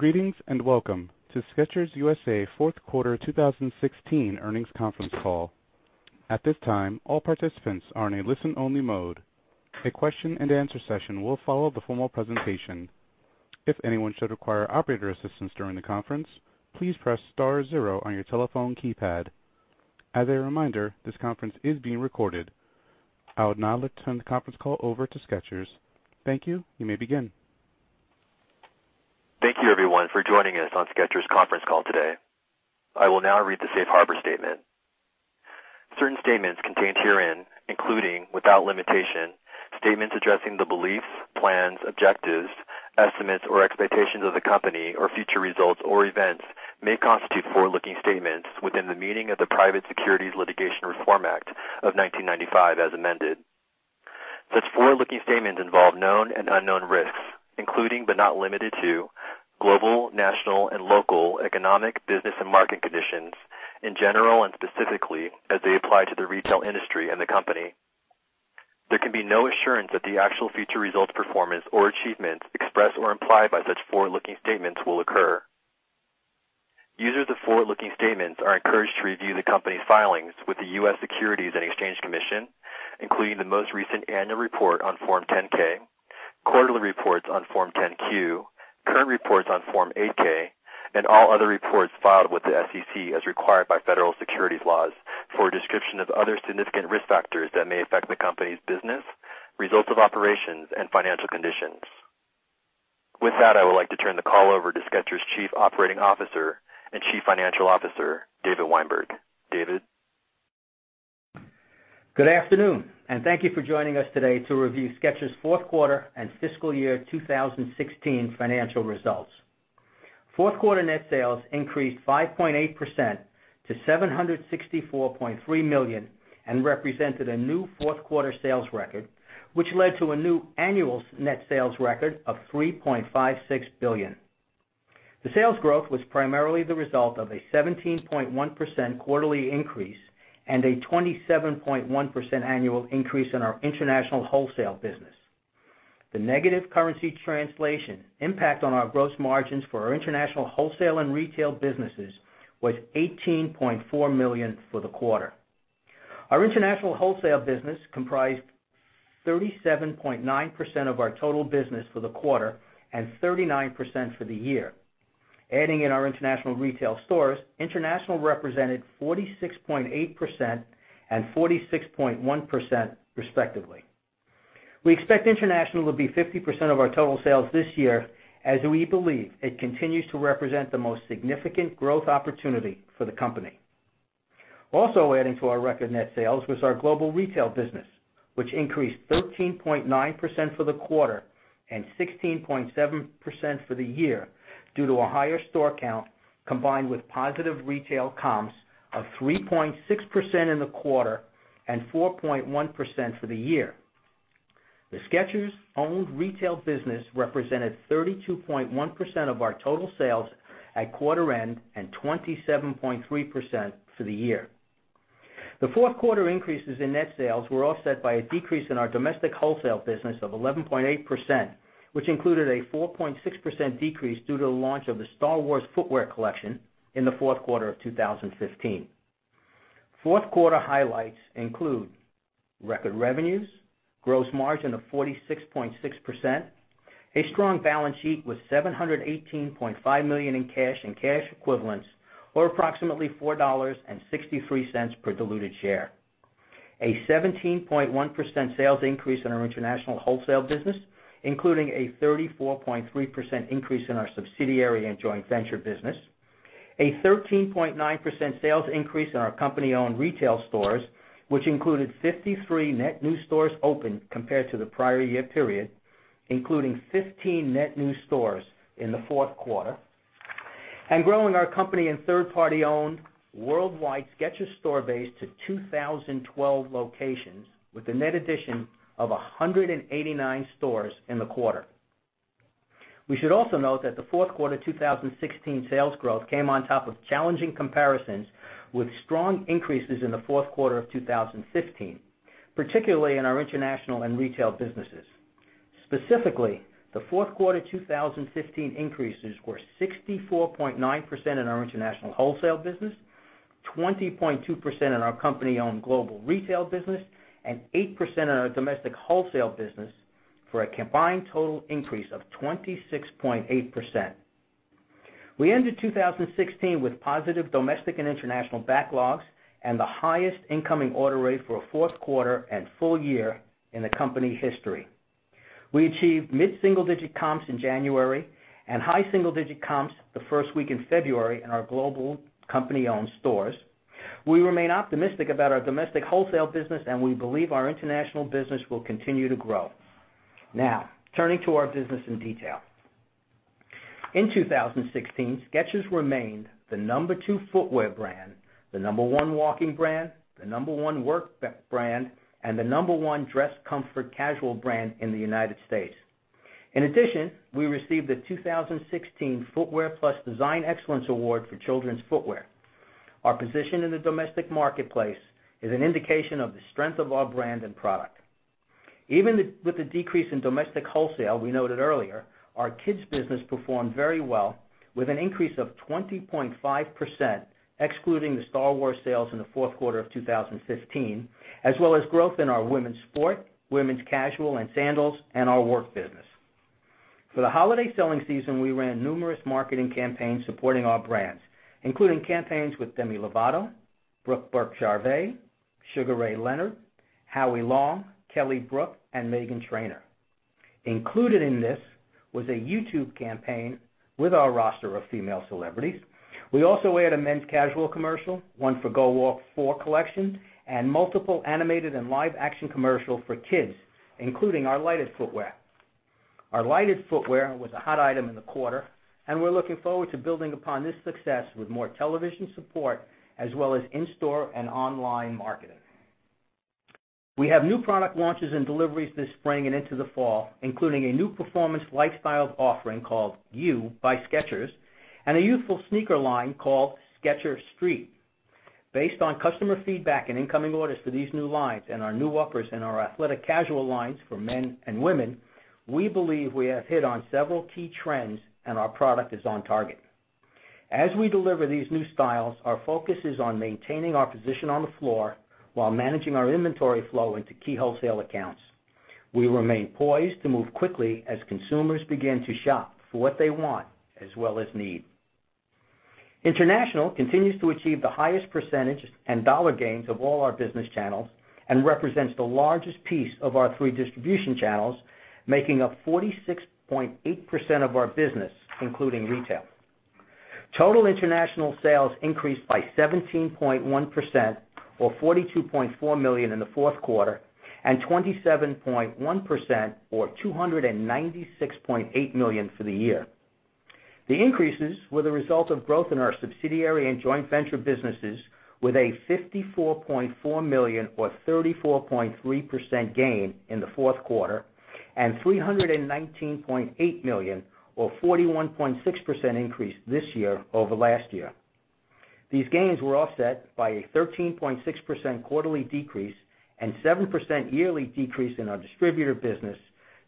Greetings, and welcome to Skechers U.S.A. fourth quarter 2016 earnings conference call. At this time, all participants are in a listen-only mode. A question and answer session will follow the formal presentation. If anyone should require operator assistance during the conference, please press star zero on your telephone keypad. As a reminder, this conference is being recorded. I would now like to turn the conference call over to Skechers. Thank you. You may begin. Thank you, everyone, for joining us on Skechers conference call today. I will now read the safe harbor statement. Certain statements contained herein, including, without limitation, statements addressing the beliefs, plans, objectives, estimates, or expectations of the company or future results or events, may constitute forward-looking statements within the meaning of the Private Securities Litigation Reform Act of 1995 as amended. Such forward-looking statements involve known and unknown risks, including, but not limited to, global, national, and local economic, business, and market conditions in general and specifically as they apply to the retail industry and the company. There can be no assurance that the actual future results, performance, or achievements expressed or implied by such forward-looking statements will occur. Users of forward-looking statements are encouraged to review the company's filings with the U.S. Securities and Exchange Commission, including the most recent annual report on Form 10-K, quarterly reports on Form 10-Q, current reports on Form 8-K, and all other reports filed with the SEC as required by federal securities laws for a description of other significant risk factors that may affect the company's business, results of operations, and financial conditions. With that, I would like to turn the call over to Skechers' Chief Operating Officer and Chief Financial Officer, David Weinberg. David? Good afternoon, and thank you for joining us today to review Skechers' fourth quarter and fiscal year 2016 financial results. Fourth quarter net sales increased 5.8% to $764.3 million and represented a new fourth-quarter sales record, which led to a new annual net sales record of $3.56 billion. The sales growth was primarily the result of a 17.1% quarterly increase and a 27.1% annual increase in our international wholesale business. The negative currency translation impact on our gross margins for our international wholesale and retail businesses was $18.4 million for the quarter. Our international wholesale business comprised 37.9% of our total business for the quarter and 39% for the year. Adding in our international retail stores, international represented 46.8% and 46.1% respectively. We expect international to be 50% of our total sales this year, as we believe it continues to represent the most significant growth opportunity for the company. Also adding to our record net sales was our global retail business, which increased 13.9% for the quarter and 16.7% for the year due to a higher store count, combined with positive retail comps of 3.6% in the quarter and 4.1% for the year. The Skechers-owned retail business represented 32.1% of our total sales at quarter end and 27.3% for the year. The fourth quarter increases in net sales were offset by a decrease in our domestic wholesale business of 11.8%, which included a 4.6% decrease due to the launch of the Star Wars footwear collection in the fourth quarter of 2015. Fourth quarter highlights include record revenues, gross margin of 46.6%, a strong balance sheet with $718.5 million in cash and cash equivalents, or approximately $4.63 per diluted share. A 17.1% sales increase in our international wholesale business, including a 34.3% increase in our subsidiary and joint venture business. A 13.9% sales increase in our company-owned retail stores, which included 53 net new stores open compared to the prior year period, including 15 net new stores in the fourth quarter. Growing our company and third party-owned worldwide Skechers store base to 2,012 locations with a net addition of 189 stores in the quarter. We should also note that the fourth quarter 2016 sales growth came on top of challenging comparisons with strong increases in the fourth quarter of 2015, particularly in our international and retail businesses. Specifically, the fourth quarter 2015 increases were 64.9% in our international wholesale business, 20.2% in our company-owned global retail business, and 8% in our domestic wholesale business for a combined total increase of 26.8%. We ended 2016 with positive domestic and international backlogs and the highest incoming order rate for a fourth quarter and full year in the company history. We achieved mid-single-digit comps in January and high single-digit comps the first week in February in our global company-owned stores. We remain optimistic about our domestic wholesale business, and we believe our international business will continue to grow. Now, turning to our business in detail. In 2016, Skechers remained the number two footwear brand, the number one walking brand, the number one work brand, and the number one dress comfort casual brand in the U.S. In addition, we received the 2016 Footwear Plus Design Excellence Award for children's footwear. Our position in the domestic marketplace is an indication of the strength of our brand and product. Even with the decrease in domestic wholesale we noted earlier, our kids business performed very well, with an increase of 20.5%, excluding the Star Wars sales in the fourth quarter of 2015, as well as growth in our women's sport, women's casual and sandals, and our work business. For the holiday selling season, we ran numerous marketing campaigns supporting our brands, including campaigns with Demi Lovato, Brooke Burke-Charvet, Sugar Ray Leonard, Howie Long, Kelly Brook, and Meghan Trainor. Included in this was a YouTube campaign with our roster of female celebrities. We also aired a men's casual commercial, one for GOwalk 4 collection, and multiple animated and live action commercials for kids, including our lighted footwear. Our lighted footwear was a hot item in the quarter, and we're looking forward to building upon this success with more television support, as well as in-store and online marketing. We have new product launches and deliveries this spring and into the fall, including a new performance lifestyle offering called You by Skechers, and a youthful sneaker line called Skechers Street. Based on customer feedback and incoming orders for these new lines and our new uppers in our athletic casual lines for men and women, we believe we have hit on several key trends and our product is on target. As we deliver these new styles, our focus is on maintaining our position on the floor while managing our inventory flow into key wholesale accounts. We remain poised to move quickly as consumers begin to shop for what they want as well as need. International continues to achieve the highest percentage and dollar gains of all our business channels, and represents the largest piece of our three distribution channels, making up 46.8% of our business, including retail. Total international sales increased by 17.1%, or $42.4 million in the fourth quarter, and 27.1%, or $296.8 million for the year. The increases were the result of growth in our subsidiary and joint venture businesses with a $54.4 million or 34.3% gain in the fourth quarter, and $319.8 million or 41.6% increase this year over last year. These gains were offset by a 13.6% quarterly decrease and 7% yearly decrease in our distributor business,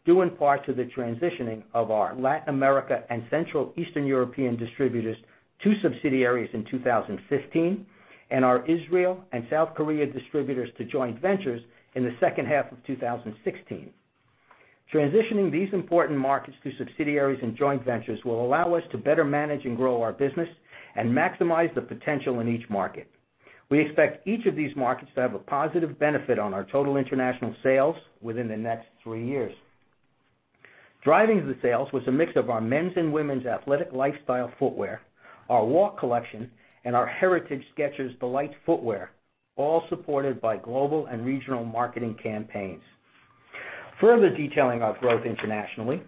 due in part to the transitioning of our Latin America and Central Eastern European distributors to subsidiaries in 2015, and our Israel and South Korea distributors to joint ventures in the second half of 2016. Transitioning these important markets to subsidiaries and joint ventures will allow us to better manage and grow our business and maximize the potential in each market. We expect each of these markets to have a positive benefit on our total international sales within the next three years. Driving the sales was a mix of our men's and women's athletic lifestyle footwear, our GOwalk collection, and our heritage Skechers D'Lites footwear, all supported by global and regional marketing campaigns. Further detailing our growth internationally.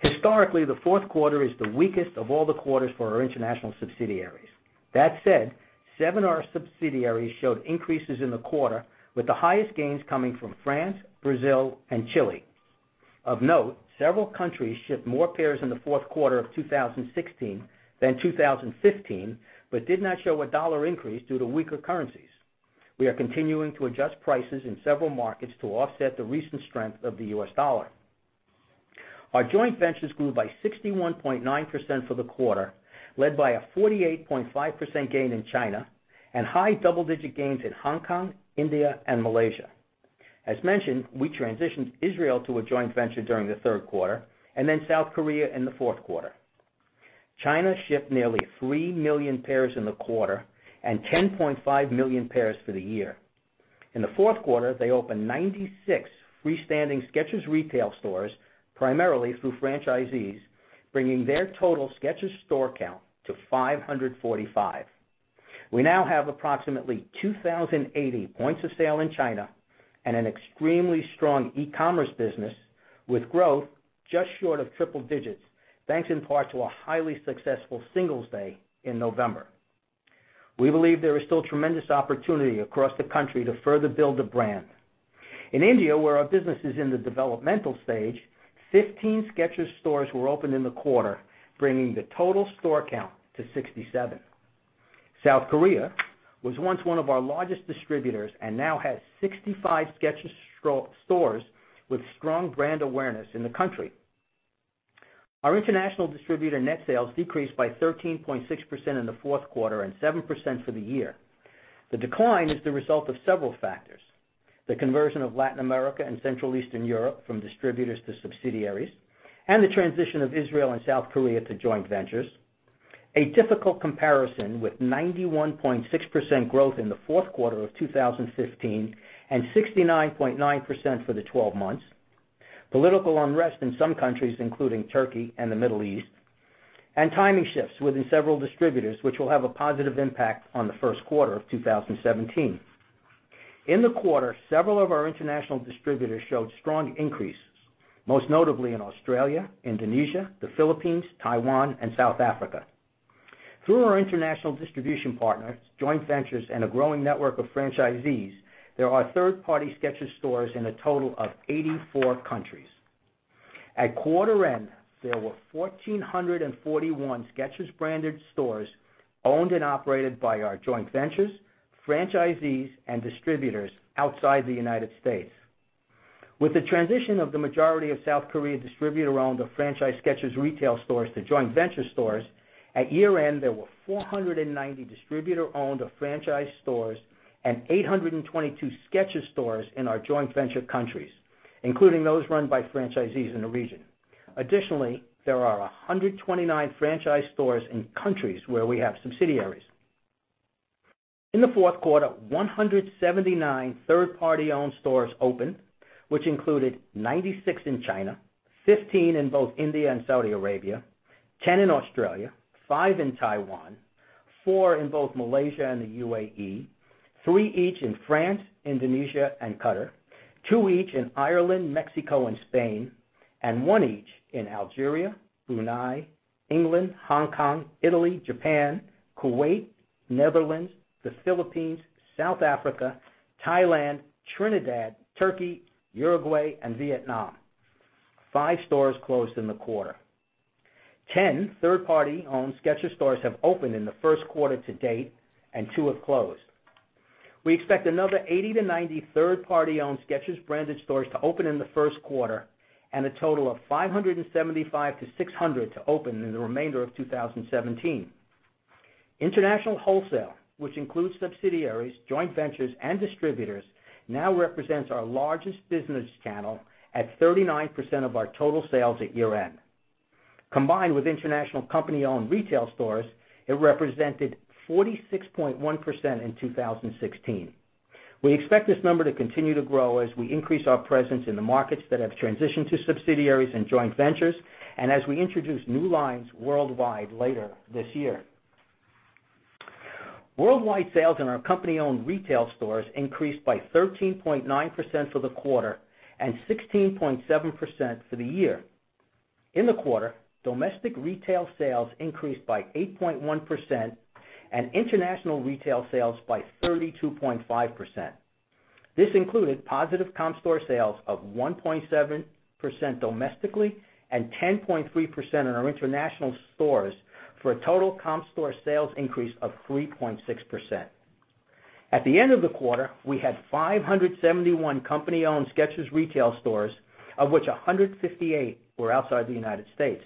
Historically, the fourth quarter is the weakest of all the quarters for our international subsidiaries. That said, seven of our subsidiaries showed increases in the quarter, with the highest gains coming from France, Brazil, and Chile. Of note, several countries shipped more pairs in the fourth quarter of 2016 than 2015, but did not show a dollar increase due to weaker currencies. We are continuing to adjust prices in several markets to offset the recent strength of the U.S. dollar. Our joint ventures grew by 61.9% for the quarter, led by a 48.5% gain in China and high double-digit gains in Hong Kong, India and Malaysia. As mentioned, we transitioned Israel to a joint venture during the third quarter, and then South Korea in the fourth quarter. China shipped nearly 3 million pairs in the quarter and 10.5 million pairs for the year. In the fourth quarter, they opened 96 freestanding Skechers retail stores, primarily through franchisees, bringing their total Skechers store count to 545. We now have approximately 2,080 points of sale in China and an extremely strong e-commerce business with growth just short of triple digits, thanks in part to a highly successful Singles' Day in November. We believe there is still tremendous opportunity across the country to further build the brand. In India, where our business is in the developmental stage, 15 Skechers stores were opened in the quarter, bringing the total store count to 67. South Korea was once one of our largest distributors and now has 65 Skechers stores with strong brand awareness in the country. Our international distributor net sales decreased by 13.6% in the fourth quarter and 7% for the year. The decline is the result of several factors. The conversion of Latin America and Central Eastern Europe from distributors to subsidiaries, and the transition of Israel and South Korea to joint ventures. A difficult comparison, with 91.6% growth in the fourth quarter of 2015 and 69.9% for the 12 months. Political unrest in some countries, including Turkey and the Middle East. Timing shifts within several distributors, which will have a positive impact on the first quarter of 2017. In the quarter, several of our international distributors showed strong increases, most notably in Australia, Indonesia, the Philippines, Taiwan, and South Africa. Through our international distribution partners, joint ventures, and a growing network of franchisees, there are third-party Skechers stores in a total of 84 countries. At quarter end, there were 1,441 Skechers branded stores owned and operated by our joint ventures, franchisees, and distributors outside the United States. With the transition of the majority of South Korea distributor-owned or franchise Skechers retail stores to joint venture stores, at year-end, there were 490 distributor-owned or franchised stores and 822 Skechers stores in our joint venture countries, including those run by franchisees in the region. Additionally, there are 129 franchise stores in countries where we have subsidiaries. In the fourth quarter, 179 third-party owned stores opened, which included 96 in China, 15 in both India and Saudi Arabia, 10 in Australia, five in Taiwan, four in both Malaysia and the UAE, three each in France, Indonesia, and Qatar, two each in Ireland, Mexico, and Spain, one each in Algeria, Brunei, England, Hong Kong, Italy, Japan, Kuwait, Netherlands, the Philippines, South Africa, Thailand, Trinidad, Turkey, Uruguay, and Vietnam. Five stores closed in the quarter. Ten third-party owned Skechers stores have opened in the first quarter to date, and two have closed. We expect another 80 to 90 third-party owned Skechers branded stores to open in the first quarter and a total of 575 to 600 to open in the remainder of 2017. International wholesale, which includes subsidiaries, joint ventures, and distributors, now represents our largest business channel at 39% of our total sales at year-end. Combined with international company-owned retail stores, it represented 46.1% in 2016. We expect this number to continue to grow as we increase our presence in the markets that have transitioned to subsidiaries and joint ventures and as we introduce new lines worldwide later this year. Worldwide sales in our company-owned retail stores increased by 13.9% for the quarter and 16.7% for the year. In the quarter, domestic retail sales increased by 8.1% and international retail sales by 32.5%. This included positive comp store sales of 1.7% domestically and 10.3% in our international stores for a total comp store sales increase of 3.6%. At the end of the quarter, we had 571 company-owned Skechers retail stores, of which 158 were outside the United States.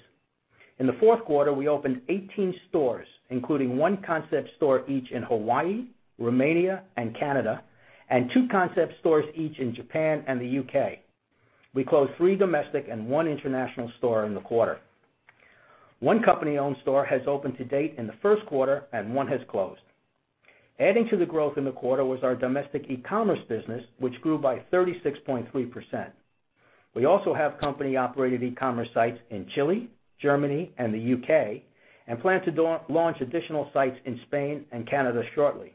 In the fourth quarter, we opened 18 stores, including one concept store each in Hawaii, Romania, and Canada, and two concept stores each in Japan and the U.K. We closed three domestic and one international store in the quarter. One company-owned store has opened to date in the first quarter and one has closed. Adding to the growth in the quarter was our domestic e-commerce business, which grew by 36.3%. We also have company-operated e-commerce sites in Chile, Germany, and the U.K. and plan to launch additional sites in Spain and Canada shortly.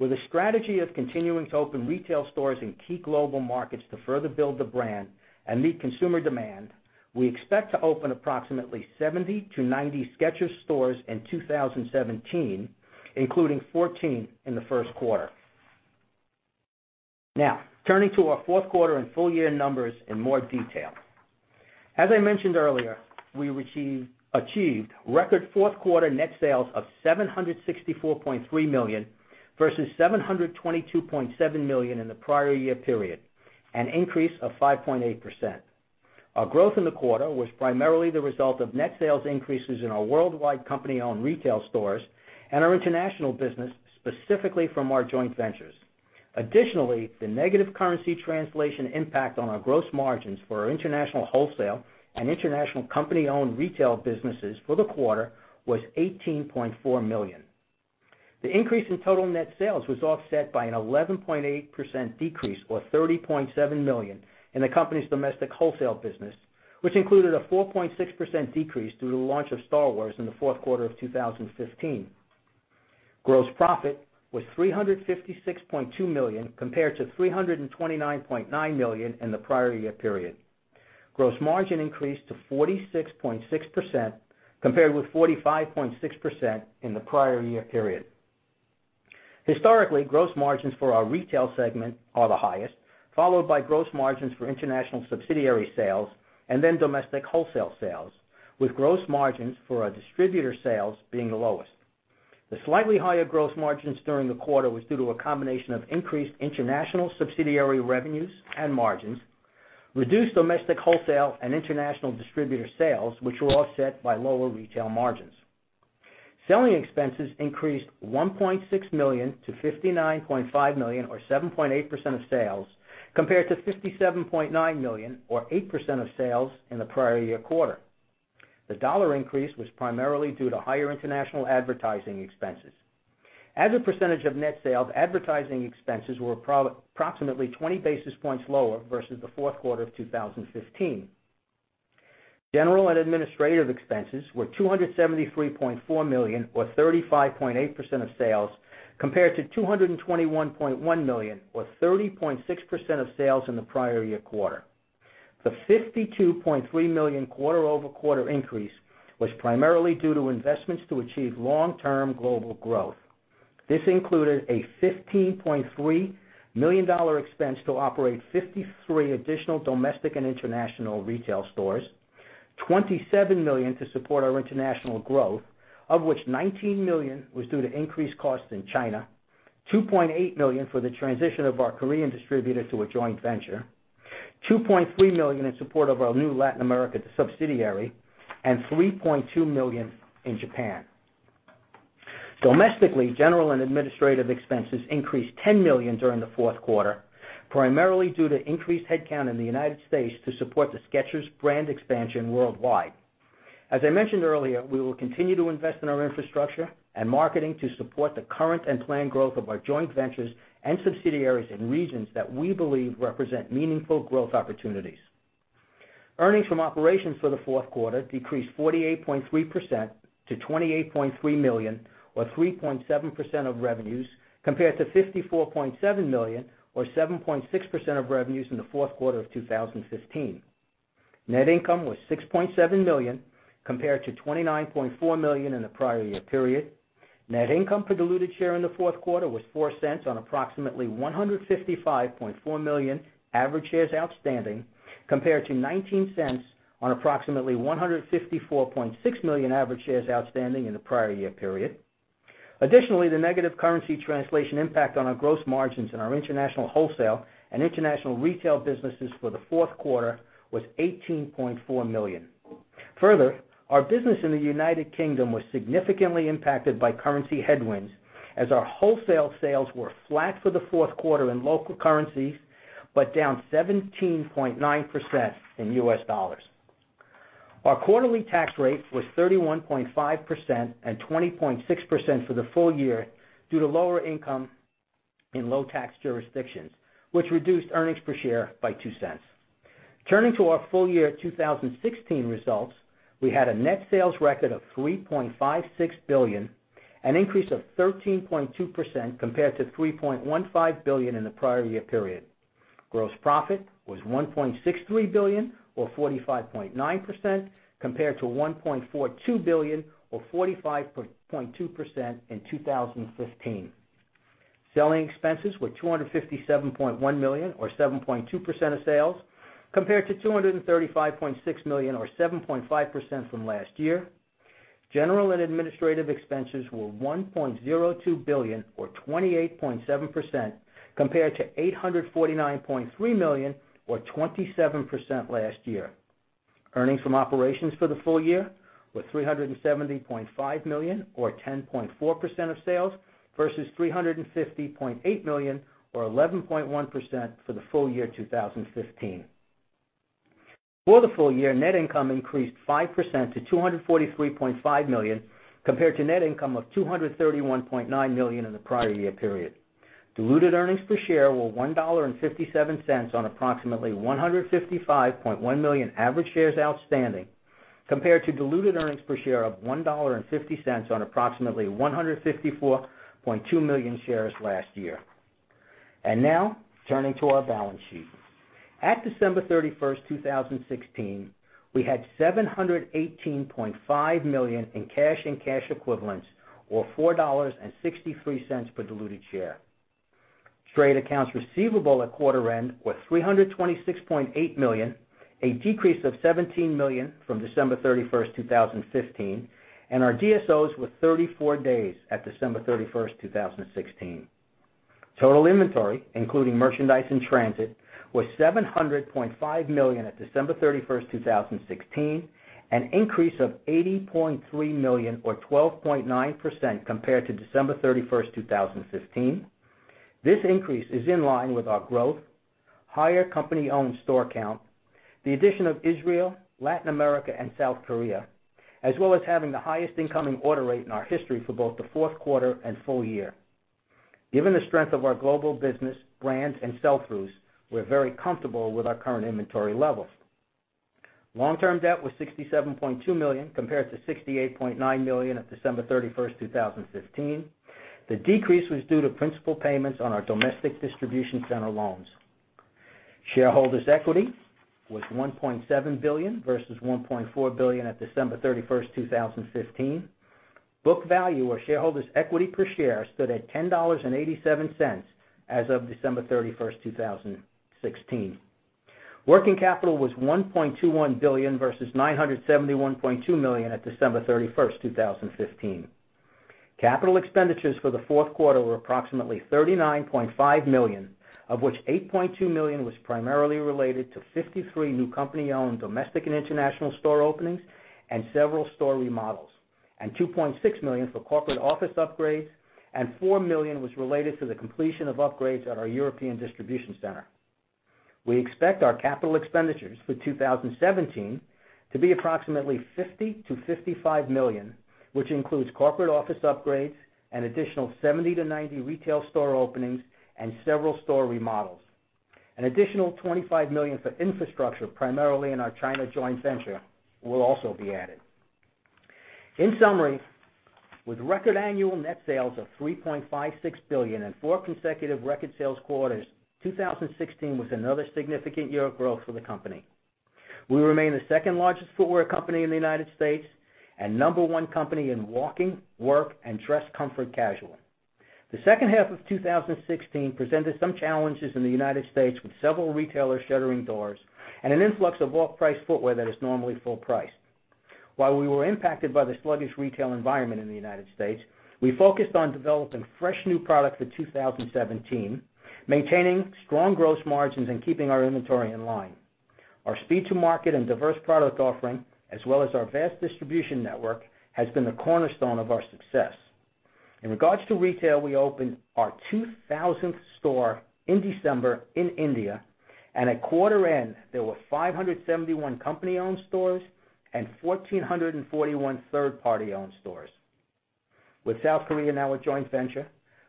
With a strategy of continuing to open retail stores in key global markets to further build the brand and meet consumer demand, we expect to open approximately 70 to 90 Skechers stores in 2017, including 14 in the first quarter. Now, turning to our fourth quarter and full year numbers in more detail. As I mentioned earlier, we achieved record fourth quarter net sales of $764.3 million versus $722.7 million in the prior year period, an increase of 5.8%. Our growth in the quarter was primarily the result of net sales increases in our worldwide company-owned retail stores and our international business, specifically from our joint ventures. Additionally, the negative currency translation impact on our gross margins for our international wholesale and international company-owned retail businesses for the quarter was $18.4 million. The increase in total net sales was offset by an 11.8% decrease, or $30.7 million, in the company's domestic wholesale business, which included a 4.6% decrease due to the launch of Star Wars in the fourth quarter of 2015. Gross profit was $356.2 million, compared to $329.9 million in the prior year period. Gross margin increased to 46.6%, compared with 45.6% in the prior year period. Historically, gross margins for our retail segment are the highest, followed by gross margins for international subsidiary sales, and then domestic wholesale sales, with gross margins for our distributor sales being the lowest. The slightly higher gross margins during the quarter was due to a combination of increased international subsidiary revenues and margins, reduced domestic wholesale and international distributor sales, which were offset by lower retail margins. Selling expenses increased $1.6 million to $59.5 million or 7.8% of sales, compared to $57.9 million or 8% of sales in the prior year quarter. The dollar increase was primarily due to higher international advertising expenses. As a percentage of net sales, advertising expenses were approximately 20 basis points lower versus the fourth quarter of 2015. General and administrative expenses were $273.4 million or 35.8% of sales, compared to $221.1 million or 30.6% of sales in the prior year quarter. The $52.3 million quarter-over-quarter increase was primarily due to investments to achieve long-term global growth. This included a $15.3 million expense to operate 53 additional domestic and international retail stores, $27 million to support our international growth, of which $19 million was due to increased costs in China, $2.8 million for the transition of our Korean distributor to a joint venture, $2.3 million in support of our new Latin America subsidiary, and $3.2 million in Japan. Domestically, general and administrative expenses increased $10 million during the fourth quarter, primarily due to increased headcount in the United States to support the Skechers brand expansion worldwide. As I mentioned earlier, we will continue to invest in our infrastructure and marketing to support the current and planned growth of our joint ventures and subsidiaries in regions that we believe represent meaningful growth opportunities. Earnings from operations for the fourth quarter decreased 48.3% to $28.3 million, or 3.7% of revenues, compared to $54.7 million or 7.6% of revenues in the fourth quarter of 2015. Net income was $6.7 million, compared to $29.4 million in the prior year period. Net income per diluted share in the fourth quarter was $0.04 on approximately 155.4 million average shares outstanding, compared to $0.19 on approximately 154.6 million average shares outstanding in the prior year period. Additionally, the negative currency translation impact on our gross margins in our international wholesale and international retail businesses for the fourth quarter was $18.4 million. Further, our business in the United Kingdom was significantly impacted by currency headwinds as our wholesale sales were flat for the fourth quarter in local currencies, but down 17.9% in US dollars. Our quarterly tax rate was 31.5% and 20.6% for the full year due to lower income in low-tax jurisdictions, which reduced earnings per share by $0.02. Turning to our full-year 2016 results, we had a net sales record of $3.56 billion, an increase of 13.2% compared to $3.15 billion in the prior year period. Gross profit was $1.63 billion or 45.9%, compared to $1.42 billion or 45.2% in 2015. Selling expenses were $257.1 million or 7.2% of sales, compared to $235.6 million or 7.5% from last year. General and administrative expenses were $1.02 billion or 28.7%, compared to $849.3 million or 27% last year. Earnings from operations for the full year were $370.5 million or 10.4% of sales versus $350.8 million or 11.1% for the full-year 2015. For the full-year, net income increased 5% to $243.5 million, compared to net income of $231.9 million in the prior year period. Diluted earnings per share were $1.57 on approximately 155.1 million average shares outstanding, compared to diluted earnings per share of $1.50 on approximately 154.2 million shares last year. Now, turning to our balance sheet. At December 31st, 2016, we had $718.5 million in cash and cash equivalents or $4.63 per diluted share. Trade accounts receivable at quarter end was $326.8 million, a decrease of $17 million from December 31st, 2015, and our DSOs were 34 days at December 31st, 2016. Total inventory, including merchandise in transit, was $700.5 million at December 31st, 2016, an increase of $80.3 million or 12.9% compared to December 31st, 2015. This increase is in line with our growth, higher company-owned store count, the addition of Israel, Latin America, and South Korea, as well as having the highest incoming order rate in our history for both the fourth quarter and full-year. Given the strength of our global business, brands, and sell-throughs, we're very comfortable with our current inventory levels. Long-term debt was $67.2 million, compared to $68.9 million at December 31st, 2015. The decrease was due to principal payments on our domestic distribution center loans. Shareholders' equity was $1.7 billion versus $1.4 billion at December 31st, 2015. Book value or shareholders' equity per share stood at $10.87 as of December 31st, 2016. Working capital was $1.21 billion versus $971.2 million at December 31st, 2015. Capital expenditures for the fourth quarter were approximately $39.5 million, of which $8.2 million was primarily related to 53 new company-owned domestic and international store openings and several store remodels, $2.6 million for corporate office upgrades, and $4 million was related to the completion of upgrades at our European distribution center. We expect our capital expenditures for 2017 to be approximately $50 million-$55 million, which includes corporate office upgrades, an additional 70-90 retail store openings, and several store remodels. An additional $25 million for infrastructure, primarily in our China joint venture, will also be added. In summary, with record annual net sales of $3.56 billion and four consecutive record sales quarters, 2016 was another significant year of growth for the company. We remain the second largest footwear company in the U.S. and number 1 company in walking, work, and dress comfort casual. The second half of 2016 presented some challenges in the U.S., with several retailers shuttering doors and an influx of off-price footwear that is normally full price. While we were impacted by the sluggish retail environment in the U.S., we focused on developing fresh new product for 2017, maintaining strong gross margins, and keeping our inventory in line. Our speed to market and diverse product offering, as well as our vast distribution network, has been the cornerstone of our success. In regards to retail, we opened our 2,000th store in December in India, and at quarter end, there were 571 company-owned stores and 1,441 third-party owned stores. With South Korea now a joint venture,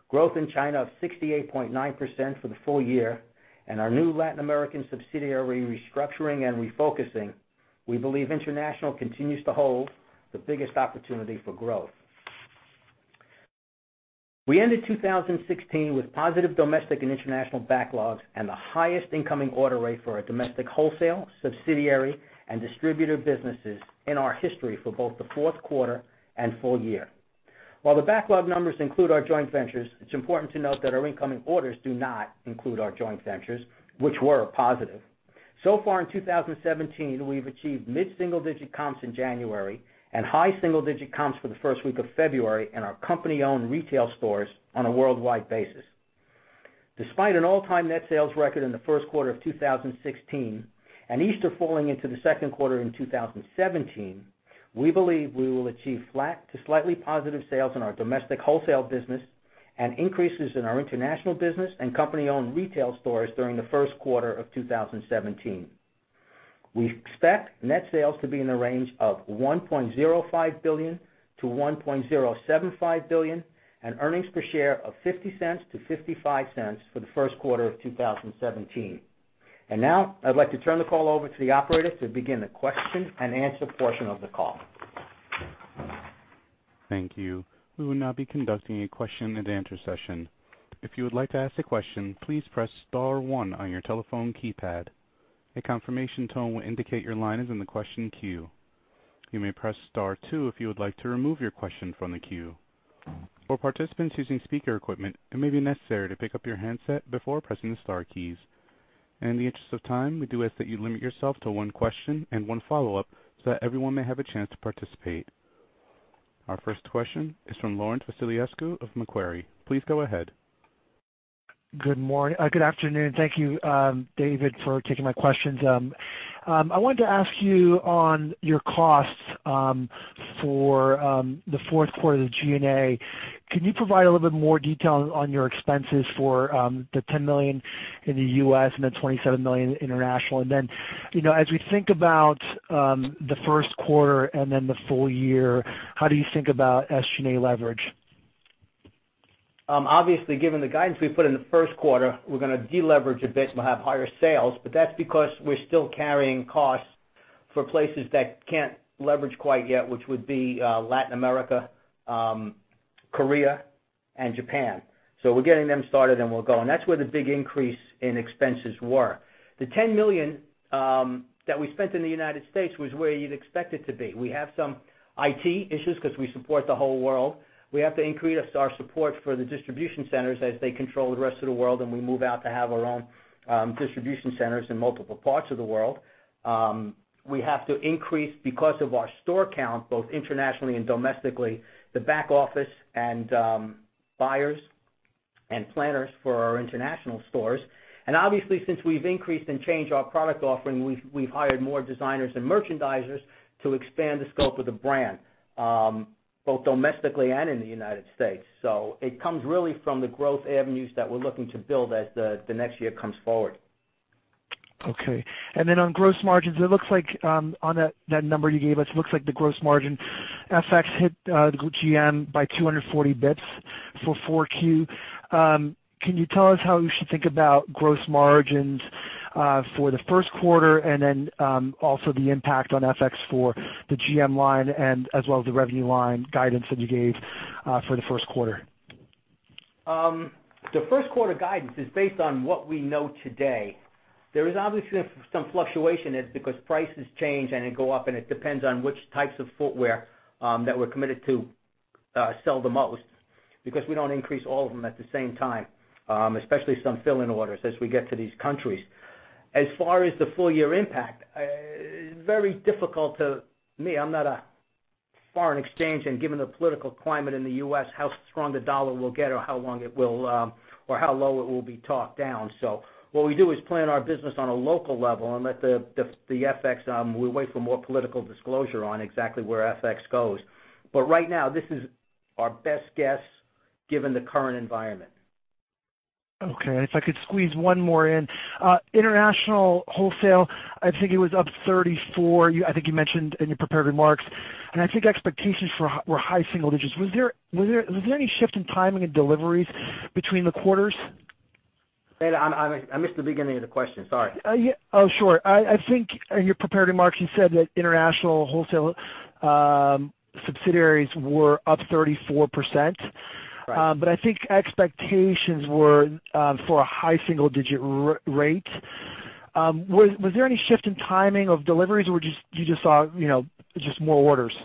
growth in China of 68.9% for the full year, and our new Latin American subsidiary restructuring and refocusing, we believe international continues to hold the biggest opportunity for growth. We ended 2016 with positive domestic and international backlogs and the highest incoming order rate for our domestic wholesale, subsidiary, and distributor businesses in our history for both the fourth quarter and full year. While the backlog numbers include our joint ventures, it's important to note that our incoming orders do not include our joint ventures, which were a positive. Far in 2017, we've achieved mid-single-digit comps in January and high single-digit comps for the first week of February in our company-owned retail stores on a worldwide basis. Despite an all-time net sales record in the first quarter of 2016, and Easter falling into the second quarter in 2017, we believe we will achieve flat to slightly positive sales in our domestic wholesale business and increases in our international business and company-owned retail stores during the first quarter of 2017. We expect net sales to be in the range of $1.05 billion-$1.075 billion and earnings per share of $0.50-$0.55 for the first quarter of 2017. Now I'd like to turn the call over to the operator to begin the question and answer portion of the call. Thank you. We will now be conducting a question and answer session. If you would like to ask a question, please press *1 on your telephone keypad. A confirmation tone will indicate your line is in the question queue. You may press *2 if you would like to remove your question from the queue. For participants using speaker equipment, it may be necessary to pick up your handset before pressing the star keys. In the interest of time, we do ask that you limit yourself to one question and one follow-up so that everyone may have a chance to participate. Our first question is from Laurent Vasilescu of Macquarie. Please go ahead. Good afternoon. Thank you, David, for taking my questions. I wanted to ask you on your costs for the fourth quarter, the G&A. Can you provide a little bit more detail on your expenses for the $10 million in the U.S. and the $27 million international? As we think about the first quarter and then the full year, how do you think about SG&A leverage? Given the guidance we put in the first quarter, we're going to deleverage a bit. We'll have higher sales, but that's because we're still carrying costs for places that can't leverage quite yet, which would be Latin America, Korea, and Japan. We're getting them started, and we'll go. That's where the big increase in expenses were. The $10 million that we spent in the United States was where you'd expect it to be. We have some IT issues because we support the whole world. We have to increase our support for the distribution centers as they control the rest of the world, and we move out to have our own distribution centers in multiple parts of the world. We have to increase because of our store count, both internationally and domestically, the back office and buyers and planners for our international stores. Since we've increased and changed our product offering, we've hired more designers and merchandisers to expand the scope of the brand, both domestically and in the United States. It comes really from the growth avenues that we're looking to build as the next year comes forward. Okay. On gross margins, it looks like on that number you gave us, it looks like the gross margin FX hit the GM by 240 basis points for 4Q. Can you tell us how we should think about gross margins for the first quarter and also the impact on FX for the GM line as well as the revenue line guidance that you gave for the first quarter? The first quarter guidance is based on what we know today. There is obviously some fluctuation because prices change and go up, and it depends on which types of footwear that we're committed to sell the most because we don't increase all of them at the same time, especially some fill-in orders as we get to these countries. As far as the full year impact, very difficult to me. I'm not a foreign exchange, and given the political climate in the U.S., how strong the dollar will get or how low it will be talked down. What we do is plan our business on a local level and let the FX, we wait for more political disclosure on exactly where FX goes. Right now, this is our best guess given the current environment. Okay, if I could squeeze one more in. International wholesale, I think it was up 34%, I think you mentioned in your prepared remarks, expectations were high single digits. Was there any shift in timing and deliveries between the quarters? I missed the beginning of the question, sorry. Oh, sure. I think in your prepared remarks, you said that international wholesale subsidiaries were up 34%. I think expectations were for a high single-digit rate. Was there any shift in timing of deliveries, or you just saw more orders?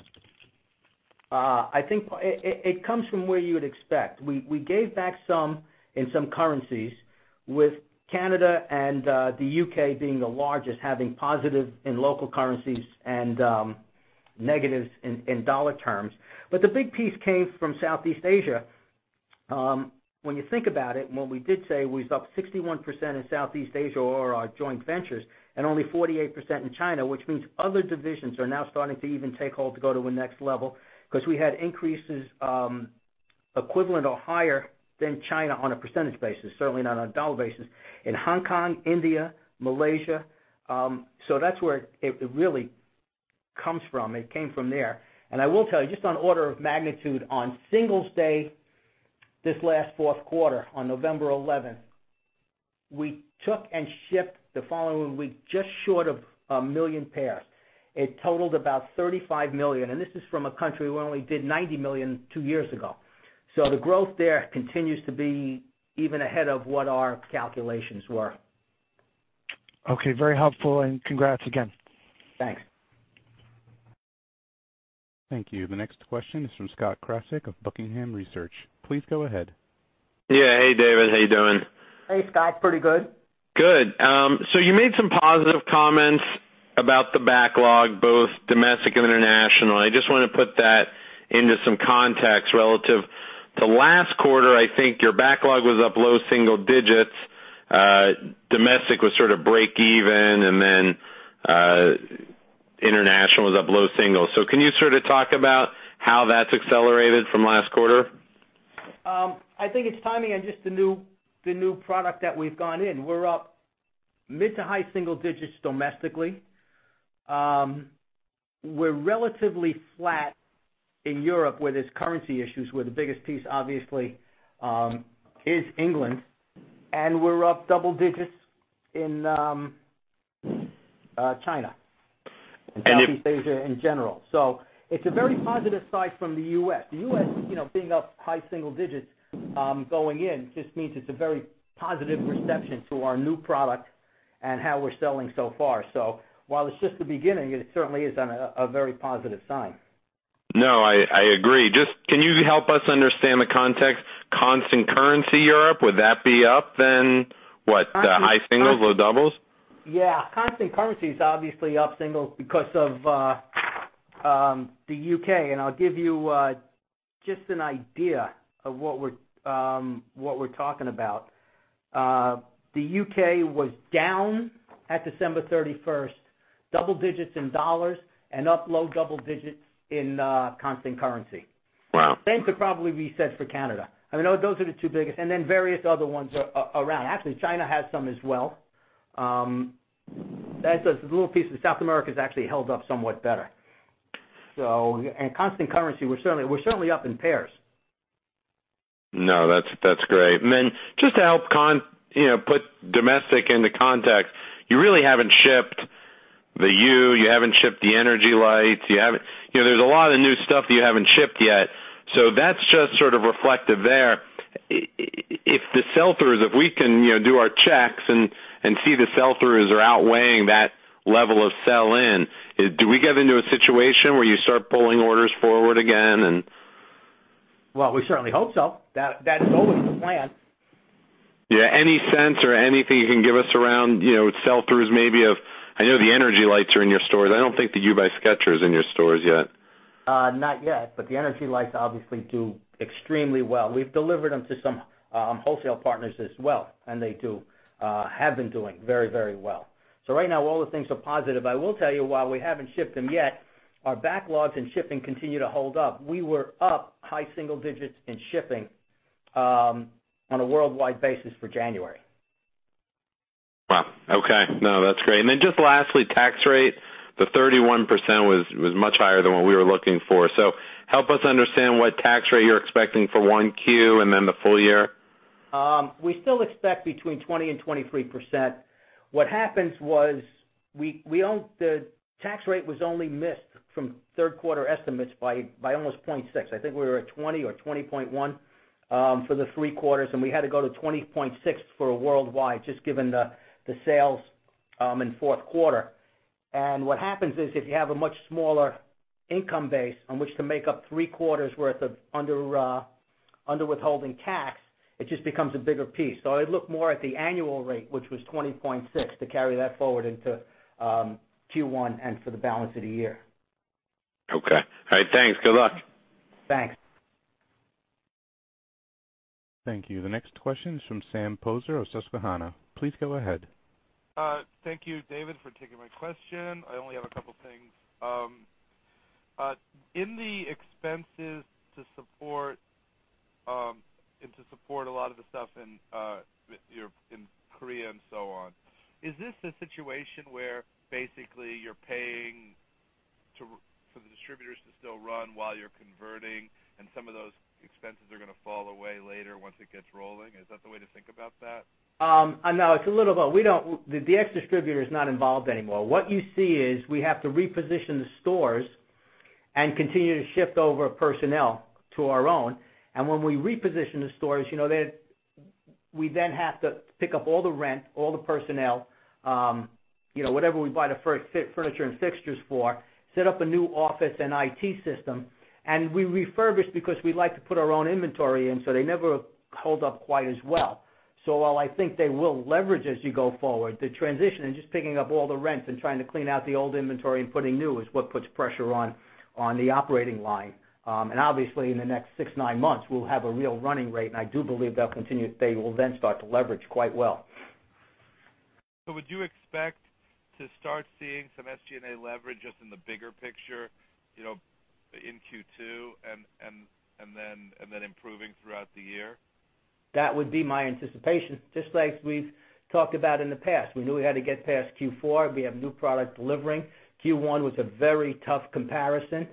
I think it comes from where you would expect. We gave back some in some currencies, with Canada and the U.K. being the largest, having positive in local currencies and negatives in $ terms. The big piece came from Southeast Asia. When you think about it, and what we did say, we was up 61% in Southeast Asia or our joint ventures, and only 48% in China, which means other divisions are now starting to even take hold to go to the next level, because we had increases equivalent or higher than China on a percentage basis, certainly not on a $ basis, in Hong Kong, India, Malaysia. That's where it really comes from. It came from there. I will tell you, just on order of magnitude, on Singles' Day, this last fourth quarter, on November 11th, we took and shipped the following week, just short of a million pairs. It totaled about $35 million, and this is from a country where we only did $90 million two years ago. The growth there continues to be even ahead of what our calculations were. Okay. Very helpful, congrats again. Thanks. Thank you. The next question is from Scott Krasik of Buckingham Research. Please go ahead. Yeah. Hey, David. How you doing? Hey, Scott. Pretty good. Good. You made some positive comments about the backlog, both domestic and international. I just want to put that into some context relative to last quarter. I think your backlog was up low single digits. Domestic was sort of break even, and then international was up low single. Can you sort of talk about how that's accelerated from last quarter? I think it's timing on just the new product that we've gone in. We're up mid to high single digits domestically. We're relatively flat in Europe where there's currency issues, where the biggest piece, obviously, is England. We're up double digits in China and Southeast Asia in general. It's a very positive sign from the U.S. The U.S. being up high single digits going in just means it's a very positive reception to our new product and how we're selling so far. While it's just the beginning, it certainly is a very positive sign. No, I agree. Just can you help us understand the context, constant currency Europe, would that be up then? What, high singles, low doubles? Yeah. Constant currency is obviously up single digits because of the U.K. I'll give you just an idea of what we're talking about. The U.K. was down at December 31st, double digits in $ and up low double digits in constant currency. Wow. Same could probably be said for Canada. I mean, those are the two biggest, and then various other ones around. Actually, China has some as well. There's a little piece of South America that's actually held up somewhat better. In constant currency, we're certainly up in pairs. No, that's great. Then just to help put domestic into context, you really haven't shipped the You, you haven't shipped the Energy Lights. There's a lot of new stuff that you haven't shipped yet. That's just sort of reflective there. If the sell-throughs, if we can do our checks and see the sell-throughs are outweighing that level of sell-in, do we get into a situation where you start pulling orders forward again? Well, we certainly hope so. That is always the plan. Yeah. Any sense or anything you can give us around sell-throughs, maybe of, I know the Energy Lights are in your stores. I don't think the You by Skechers in your stores yet. Not yet, the Energy Lights obviously do extremely well. We've delivered them to some wholesale partners as well, they have been doing very well. Right now, all the things are positive. I will tell you, while we haven't shipped them yet, our backlogs and shipping continue to hold up. We were up high single digits in shipping on a worldwide basis for January. Okay. No, that's great. Just lastly, tax rate. The 31% was much higher than what we were looking for. Help us understand what tax rate you're expecting for Q1 and then the full year. We still expect between 20% and 23%. What happens was, the tax rate was only missed from third quarter estimates by almost 0.6. I think we were at 20 or 20.1 for the three quarters, we had to go to 20.6 for a worldwide, just given the sales in fourth quarter. What happens is, if you have a much smaller income base on which to make up three quarters worth of under withholding tax, it just becomes a bigger piece. I'd look more at the annual rate, which was 20.6, to carry that forward into Q1 and for the balance of the year. Okay. All right, thanks. Good luck. Thanks. Thank you. The next question is from Sam Poser of Susquehanna. Please go ahead. Thank you, David, for taking my question. I only have a couple things. In the expenses to support a lot of the stuff in Korea and so on, is this a situation where basically you're paying for the distributors to still run while you're converting, and some of those expenses are going to fall away later once it gets rolling? Is that the way to think about that? No, it's a little of both. The ex-distributor is not involved anymore. What you see is we have to reposition the stores and continue to shift over personnel to our own. When we reposition the stores, we then have to pick up all the rent, all the personnel, whatever we buy the furniture and fixtures for, set up a new office and IT system. We refurbish because we like to put our own inventory in, so they never hold up quite as well. While I think they will leverage as you go forward, the transition and just picking up all the rents and trying to clean out the old inventory and putting new is what puts pressure on the operating line. Obviously in the next six, nine months, we'll have a real running rate, and I do believe they'll continue, they will then start to leverage quite well. Would you expect to start seeing some SG&A leverage just in the bigger picture, in Q2, and then improving throughout the year? That would be my anticipation. Just like we've talked about in the past. We knew we had to get past Q4. We have new product delivering. Q1 was a very tough comparison.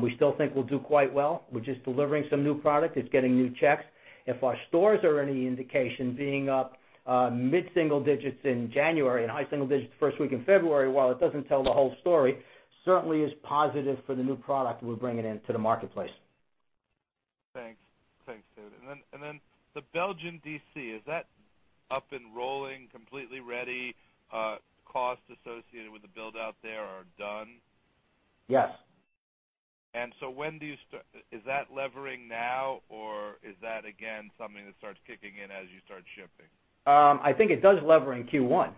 We still think we'll do quite well, which is delivering some new product. It's getting new checks. If our stores are any indication, being up mid-single digits in January and high single digits the first week in February, while it doesn't tell the whole story, certainly is positive for the new product we're bringing into the marketplace. Thanks. Thanks, David. The Belgian DC, is that up and rolling completely ready, cost associated with the build-out there are done? Yes. Is that levering now or is that again something that starts kicking in as you start shipping? I think it does lever in Q1.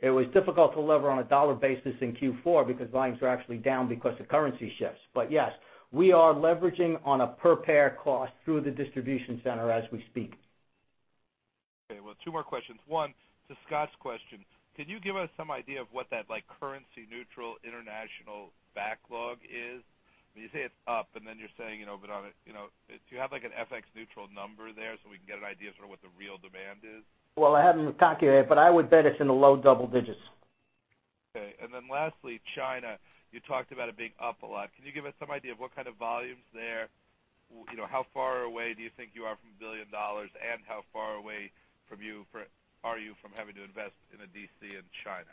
It was difficult to lever on a dollar basis in Q4 because volumes were actually down because of currency shifts. Yes, we are leveraging on a per-pair cost through the distribution center as we speak. Okay, well, two more questions. One, to Scott's question, can you give us some idea of what that currency neutral international backlog is? When you say it's up and then you're saying, do you have an FX neutral number there so we can get an idea of sort of what the real demand is? Well, I haven't calculated it, but I would bet it's in the low double digits. Okay. Lastly, China. You talked about it being up a lot. Can you give us some idea of what kind of volumes there, how far away do you think you are from $1 billion, and how far away are you from having to invest in a DC in China?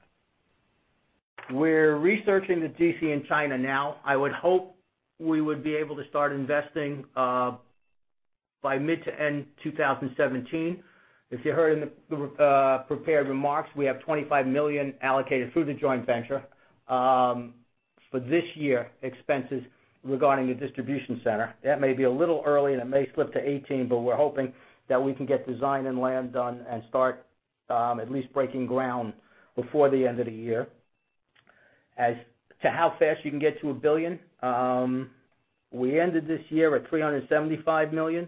We're researching the DC in China now. I would hope we would be able to start investing by mid to end 2017. If you heard in the prepared remarks, we have $25 million allocated through the joint venture. For this year, expenses regarding the distribution center. That may be a little early and it may slip to 2018, but we're hoping that we can get design and land done and start at least breaking ground before the end of the year. As to how fast you can get to $1 billion, we ended this year at $375 million.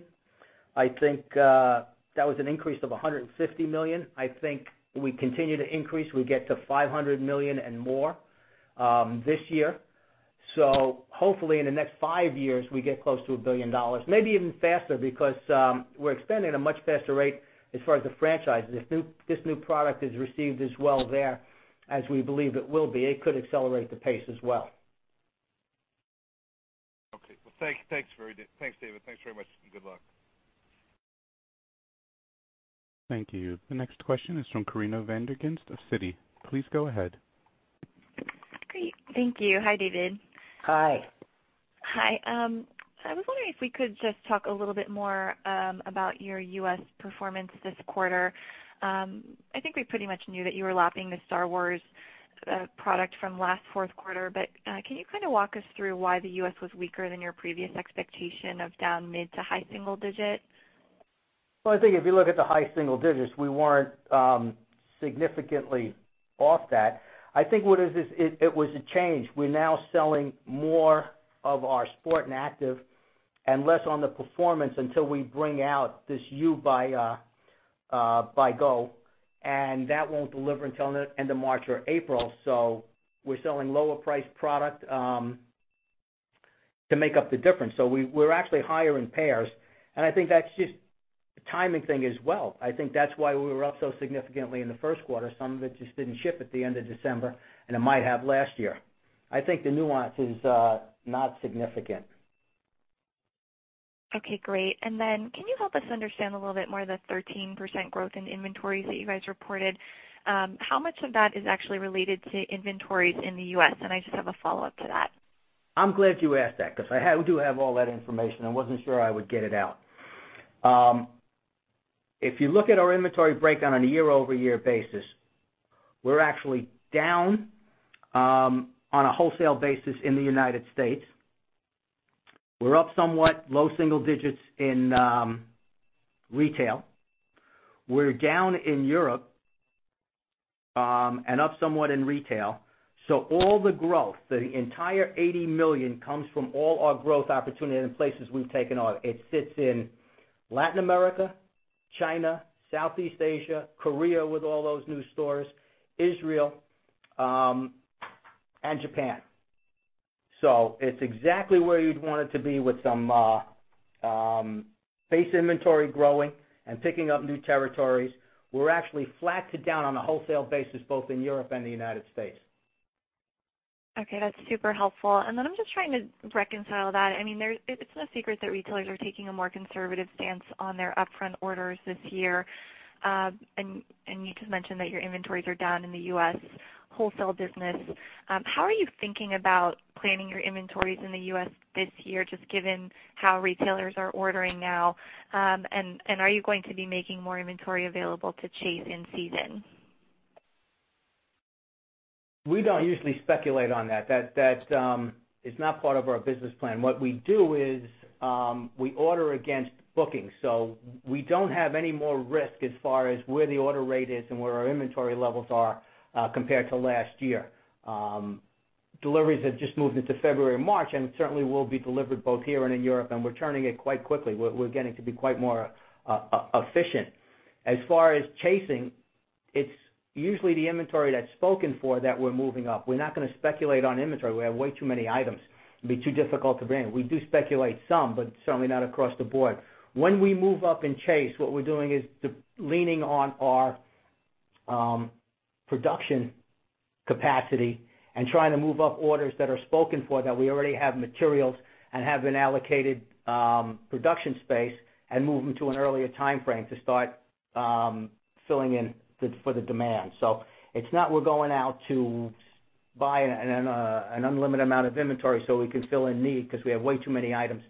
I think that was an increase of $150 million. I think we continue to increase, we get to $500 million and more this year. Hopefully in the next five years, we get close to $1 billion. Maybe even faster because, we're expanding at a much faster rate as far as the franchises. If this new product is received as well there as we believe it will be, it could accelerate the pace as well. Okay. Well, thanks David. Thanks very much and good luck. Thank you. The next question is from Corinna Van Der Ghinst of Citi. Please go ahead. Great. Thank you. Hi, David. Hi. Hi. I was wondering if we could just talk a little bit more about your U.S. performance this quarter. I think we pretty much knew that you were lapping the Star Wars product from last fourth quarter. Can you kind of walk us through why the U.S. was weaker than your previous expectation of down mid to high single digits? I think if you look at the high single digits, we weren't significantly off that. I think it was a change. We're now selling more of our sport and active and less on the performance until we bring out this You by Skechers, and that won't deliver until end of March or April. We're selling lower priced product to make up the difference. We're actually higher in pairs, and I think that's just a timing thing as well. I think that's why we were up so significantly in the first quarter. Some of it just didn't ship at the end of December, and it might have last year. I think the nuance is not significant. Okay, great. Can you help us understand a little bit more the 13% growth in inventories that you guys reported? How much of that is actually related to inventories in the U.S.? I just have a follow-up to that. I'm glad you asked that because I do have all that information. I wasn't sure I would get it out. If you look at our inventory breakdown on a year-over-year basis, we're actually down on a wholesale basis in the U.S. We're up somewhat low single digits in retail. We're down in Europe, and up somewhat in retail. All the growth, the entire $80 million comes from all our growth opportunity in the places we've taken off. It sits in Latin America, China, Southeast Asia, Korea with all those new stores, Israel, and Japan. It's exactly where you'd want it to be with some base inventory growing and picking up new territories. We're actually flat to down on a wholesale basis, both in Europe and the U.S. Okay, that's super helpful. I'm just trying to reconcile that. It's no secret that retailers are taking a more conservative stance on their upfront orders this year. You just mentioned that your inventories are down in the U.S. wholesale business. How are you thinking about planning your inventories in the U.S. this year, just given how retailers are ordering now? Are you going to be making more inventory available to chase in season? We don't usually speculate on that. That is not part of our business plan. What we do is, we order against bookings. We don't have any more risk as far as where the order rate is and where our inventory levels are, compared to last year. Deliveries have just moved into February and March, certainly will be delivered both here and in Europe, we're turning it quite quickly. We're getting to be quite more efficient. As far as chasing, it's usually the inventory that's spoken for, that we're moving up. We're not going to speculate on inventory. We have way too many items. It'd be too difficult to bring. We do speculate some, but certainly not across the board. When we move up and chase, what we're doing is leaning on our production capacity trying to move up orders that are spoken for, that we already have materials have an allocated production space, move them to an earlier timeframe to start filling in for the demand. It's not we're going out to buy an unlimited amount of inventory so we can fill a need, because we have way too many items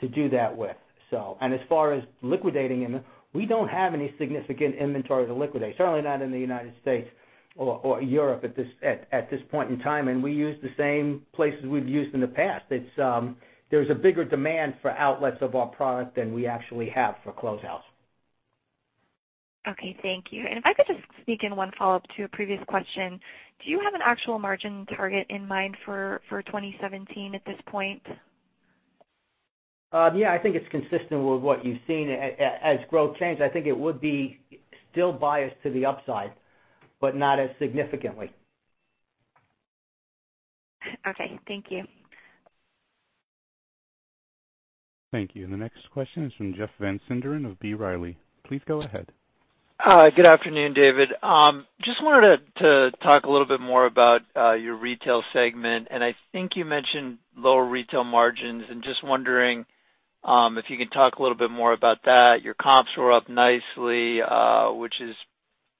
to do that with. As far as liquidating inventory, we don't have any significant inventory to liquidate, certainly not in the U.S. or Europe at this point in time. We use the same places we've used in the past. There's a bigger demand for outlets of our product than we actually have for closeouts. Okay, thank you. If I could just sneak in one follow-up to a previous question, do you have an actual margin target in mind for 2017 at this point? I think it's consistent with what you've seen. As growth changes, I think it would be still biased to the upside, but not as significantly. Thank you. Thank you. The next question is from Jeff Van Sinderen of B. Riley. Please go ahead. Good afternoon, David. Just wanted to talk a little bit more about your retail segment. I think you mentioned lower retail margins, and just wondering if you could talk a little bit more about that. Your comps were up nicely, which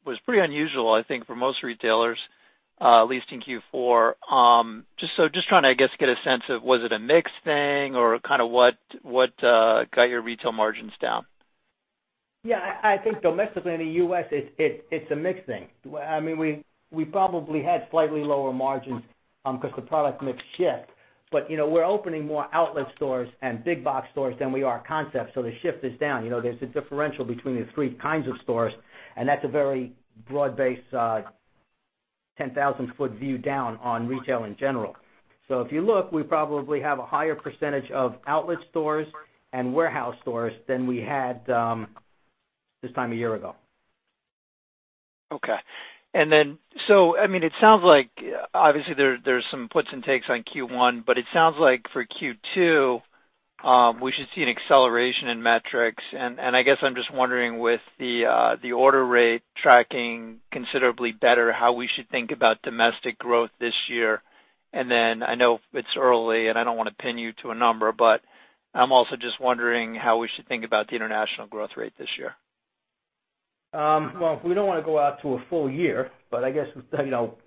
was pretty unusual, I think, for most retailers, at least in Q4. Just trying to, I guess, get a sense of was it a mix thing, or what got your retail margins down? Yeah, I think domestically in the U.S., it's a mix thing. We probably had slightly lower margins because the product mix shift. We're opening more outlet stores and big box stores than we are concepts, so the shift is down. There's a differential between the three kinds of stores, and that's a very broad-based, 10,000-foot view down on retail in general. If you look, we probably have a higher percentage of outlet stores and warehouse stores than we had this time a year ago. Okay. It sounds like, obviously, there's some puts and takes on Q1, but it sounds like for Q2, we should see an acceleration in metrics. I guess I'm just wondering, with the order rate tracking considerably better, how we should think about domestic growth this year. I know it's early, and I don't want to pin you to a number, but I'm also just wondering how we should think about the international growth rate this year. Well, we don't want to go out to a full year, but I guess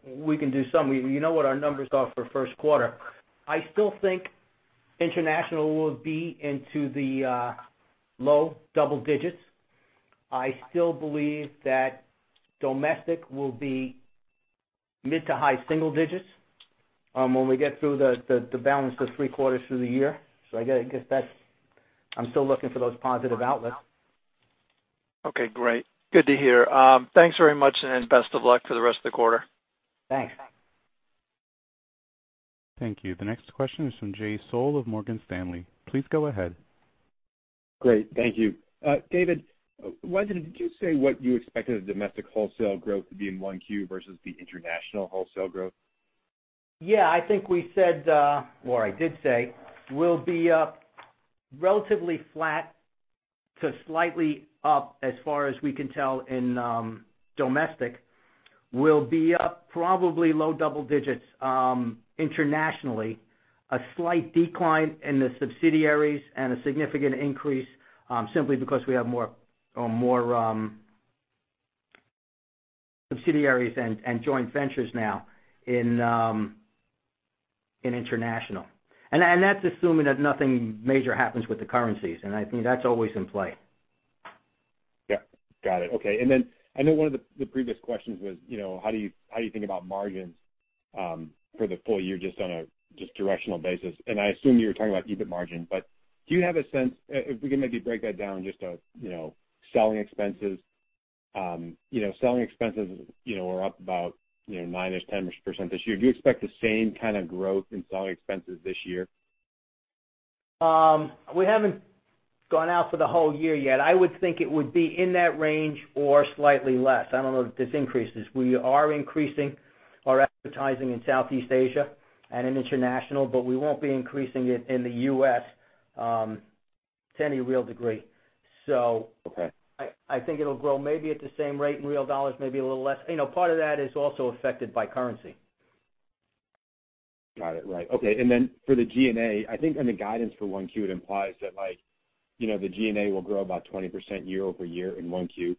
we can do some. You know what our numbers are for first quarter. I still think international will be into the low double digits. I still believe that domestic will be mid to high single digits when we get through the balance of three quarters through the year. I guess that I'm still looking for those positive outlets. Okay, great. Good to hear. Thanks very much and best of luck for the rest of the quarter. Thanks. Thank you. The next question is from Jay Sole of Morgan Stanley. Please go ahead. Great. Thank you. David, was it, did you say what you expected the domestic wholesale growth to be in 1Q versus the international wholesale growth? Yeah, I think we said, or I did say, we'll be up relatively flat to slightly up as far as we can tell in domestic. We'll be up probably low double digits internationally. A slight decline in the subsidiaries and a significant increase simply because we have more subsidiaries and joint ventures now in international. That's assuming that nothing major happens with the currencies, I think that's always in play. Yeah. Got it. Okay. Then I know one of the previous questions was, how do you think about margins for the full year, just on a directional basis. I assume you were talking about EBIT margin, but do you have a sense, if we can maybe break that down, just selling expenses were up about 9% or 10% this year. Do you expect the same kind of growth in selling expenses this year? We haven't gone out for the whole year yet. I would think it would be in that range or slightly less. I don't know if this increases. We are increasing our advertising in Southeast Asia and in international, but we won't be increasing it in the U.S. to any real degree. Okay. I think it'll grow maybe at the same rate in real dollars, maybe a little less. Part of that is also affected by currency. Got it. Right. Okay. For the G&A, I think on the guidance for 1Q, it implies that the G&A will grow about 20% year-over-year in 1Q.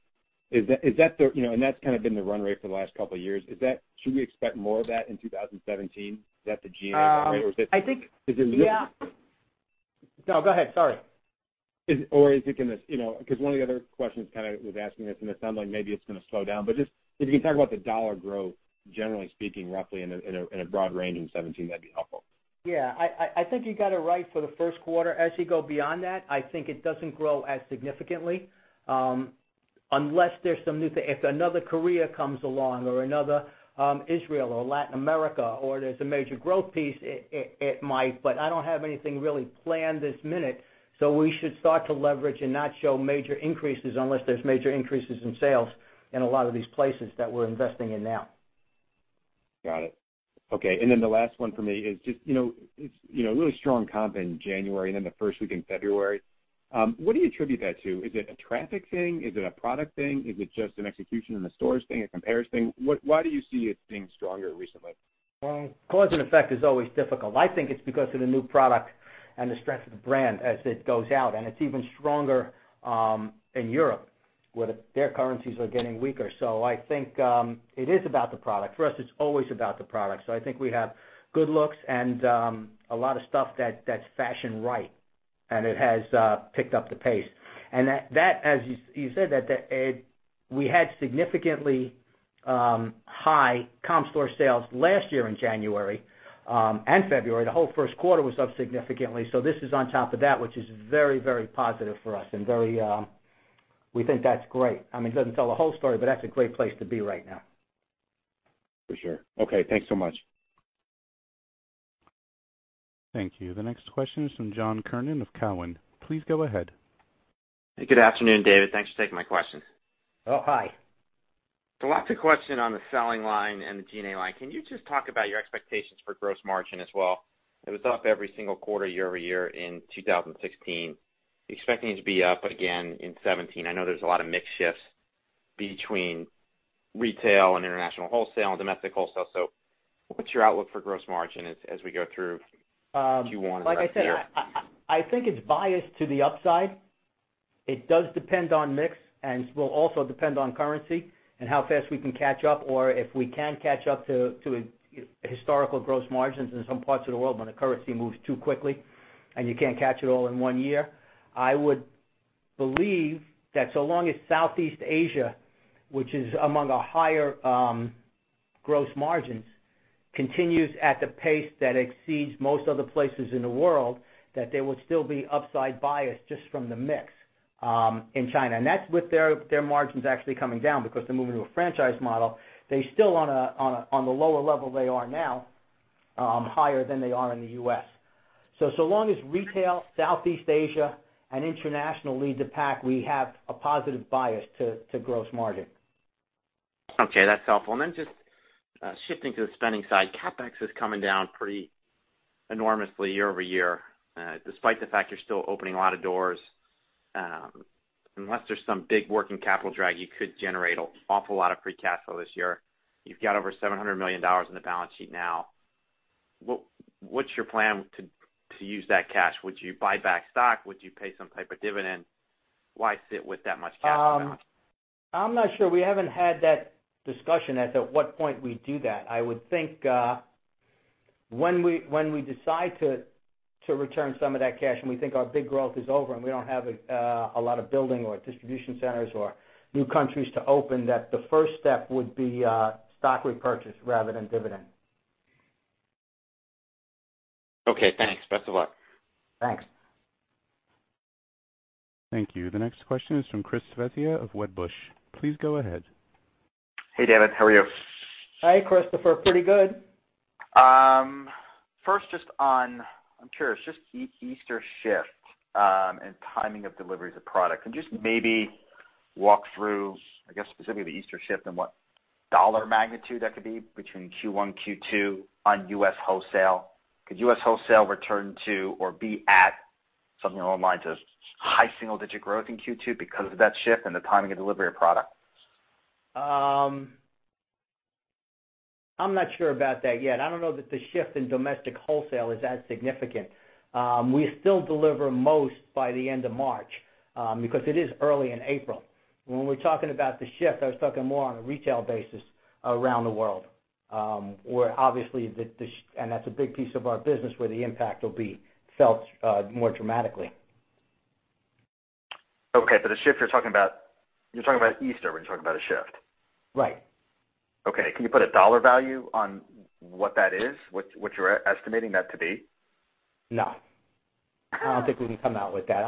That's kind of been the run rate for the last couple of years. Should we expect more of that in 2017? Is that the G&A run rate, or is it- I think, yeah. No, go ahead, sorry. One of the other questions kind of was asking this, and it sounded like maybe it's going to slow down. Just if you can talk about the dollar growth, generally speaking, roughly in a broad range in 2017, that'd be helpful. Yeah. I think you got it right for the first quarter. As you go beyond that, I think it doesn't grow as significantly. Unless there's some new thing. If another Korea comes along or another Israel or Latin America or there's a major growth piece, it might, but I don't have anything really planned this minute, so we should start to leverage and not show major increases unless there's major increases in sales in a lot of these places that we're investing in now. Got it. Okay, the last one for me is just, really strong comp in January the first week in February. What do you attribute that to? Is it a traffic thing? Is it a product thing? Is it just an execution in the stores thing, a compares thing? Why do you see it being stronger recently? Well, cause and effect is always difficult. I think it's because of the new product and the strength of the brand as it goes out, and it's even stronger in Europe, where their currencies are getting weaker. I think, it is about the product. For us, it's always about the product. I think we have good looks and a lot of stuff that's fashion right, and it has picked up the pace. That, as you said, we had significantly high comp store sales last year in January, and February. The whole first quarter was up significantly. This is on top of that, which is very, very positive for us and we think that's great. I mean, it doesn't tell the whole story, but that's a great place to be right now. For sure. Okay. Thanks so much. Thank you. The next question is from John Kernan of Cowen. Please go ahead. Hey, good afternoon, David. Thanks for taking my question. Oh, hi. Lots of questions on the selling line and the G&A line. Can you just talk about your expectations for gross margin as well? It was up every single quarter, year-over-year in 2016. Expecting it to be up again in 2017. I know there's a lot of mix shifts between retail and international wholesale and domestic wholesale. What's your outlook for gross margin as we go through Q1 and the rest of the year? Like I said, I think it's biased to the upside. It does depend on mix and will also depend on currency and how fast we can catch up or if we can catch up to historical gross margins in some parts of the world when the currency moves too quickly and you can't catch it all in one year. I would believe that so long as Southeast Asia, which is among our higher gross margins, continues at the pace that exceeds most other places in the world, that there would still be upside bias just from the mix, in China. That's with their margins actually coming down because they're moving to a franchise model. They still on the lower level they are now, higher than they are in the U.S. So long as retail, Southeast Asia, and international lead the pack, we have a positive bias to gross margin. Okay, that's helpful. Then just shifting to the spending side, CapEx is coming down pretty enormously year-over-year, despite the fact you're still opening a lot of doors. Unless there's some big working capital drag you could generate an awful lot of free cash flow this year. You've got over $700 million in the balance sheet now. What's your plan to use that cash? Would you buy back stock? Would you pay some type of dividend? Why sit with that much cash around? I'm not sure. We haven't had that discussion as to what point we do that. I would think, when we decide to return some of that cash and we think our big growth is over and we don't have a lot of building or distribution centers or new countries to open, that the first step would be stock repurchase rather than dividend. Okay, thanks. Best of luck. Thanks. Thank you. The next question is from Christopher Svezia of Wedbush. Please go ahead. Hey, David, how are you? Hi, Christopher. Pretty good. Just on, I'm curious, just the Easter shift, and timing of deliveries of product. Can you just maybe walk through, I guess, specifically the Easter shift and what dollar magnitude that could be between Q1, Q2 on U.S. wholesale? Could U.S. wholesale return to or be at something along the lines of high single digit growth in Q2 because of that shift and the timing of delivery of product? I'm not sure about that yet. I don't know that the shift in domestic wholesale is that significant. We still deliver most by the end of March, because it is early in April. When we're talking about the shift, I was talking more on a retail basis around the world. Obviously, and that's a big piece of our business where the impact will be felt more dramatically. Okay. For the shift you're talking about Easter when you're talking about a shift? Right. Okay. Can you put a dollar value on what that is, what you're estimating that to be? No. I don't think we can come out with that.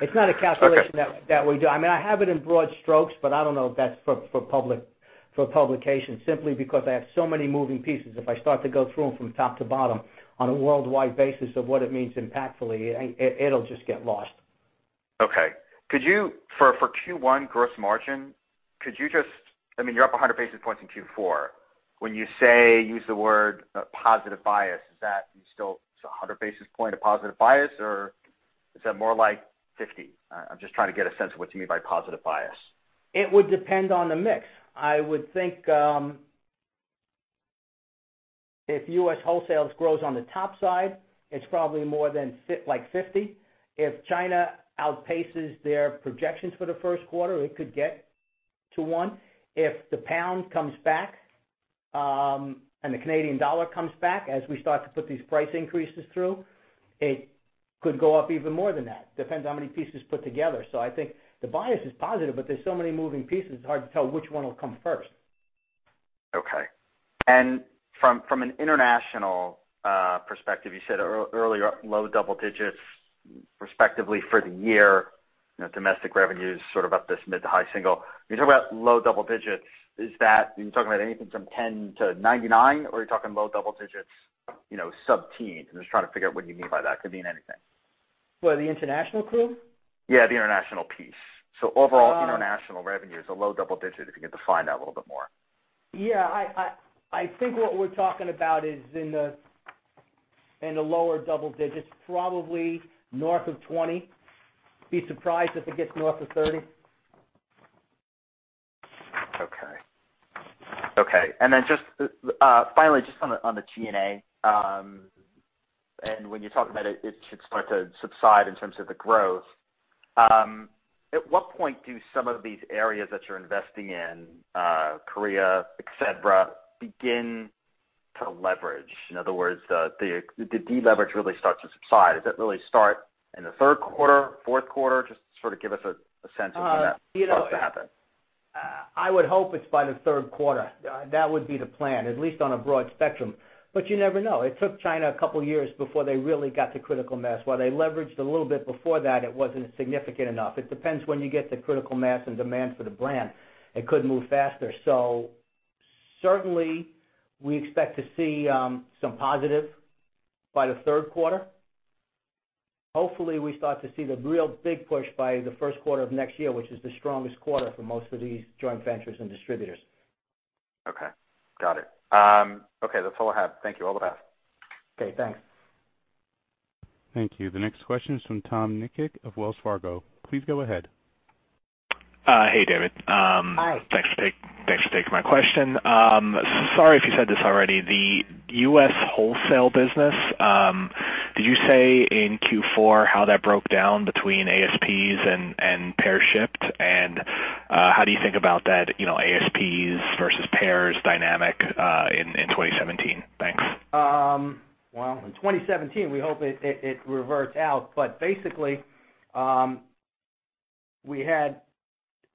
It's not a calculation that we do. I mean, I have it in broad strokes, but I don't know if that's for publication, simply because I have so many moving pieces. If I start to go through them from top to bottom on a worldwide basis of what it means impactfully, it'll just get lost. Okay. For Q1 gross margin, could you I mean, you're up 100 basis points in Q4. When you say, use the word positive bias, is that still 100 basis points a positive bias, or Is that more like 50? I'm just trying to get a sense of what you mean by positive bias. It would depend on the mix. I would think, if U.S. wholesales grows on the top side, it's probably more than like 50. If China outpaces their projections for the first quarter, it could get to one. If the pound comes back, and the Canadian dollar comes back, as we start to put these price increases through, it could go up even more than that. It depends how many pieces put together. I think the bias is positive, but there's so many moving pieces, it's hard to tell which one will come first. From an international perspective, you said earlier, low double digits respectively for the year. Domestic revenues sort of up this mid to high single. When you talk about low double digits, are you talking about anything from 10 to 99, or are you talking low double digits sub-teens? I'm just trying to figure out what you mean by that, could mean anything. For the international clue? Yeah, the international piece. Overall international revenue is a low double digit, if you could define that a little bit more. Yeah. I think what we're talking about is in the lower double digits, probably north of 20. I'd be surprised if it gets north of 30. Okay. Finally, just on the G&A. When you're talking about it should start to subside in terms of the growth. At what point do some of these areas that you're investing in, Korea, et cetera, begin to leverage? In other words, the deleverage really starts to subside. Does that really start in the third quarter, fourth quarter? Just sort of give us a sense of when that starts to happen. I would hope it's by the third quarter. That would be the plan, at least on a broad spectrum. You never know. It took China a couple of years before they really got to critical mass. While they leveraged a little bit before that, it wasn't significant enough. It depends when you get to critical mass and demand for the brand, it could move faster. Certainly, we expect to see some positive by the third quarter. Hopefully, we start to see the real big push by the first quarter of next year, which is the strongest quarter for most of these joint ventures and distributors. Okay, got it. Okay, that's all I have. Thank you. All the best. Okay, thanks. Thank you. The next question is from Tom Nikic of Wells Fargo. Please go ahead. Hey, David. Hi. Thanks for taking my question. Sorry if you said this already. The U.S. wholesale business, did you say in Q4 how that broke down between ASPs and pair shipped, and how do you think about that ASPs versus pairs dynamic in 2017? Thanks. Well, in 2017, we hope it reverts out. Basically, we had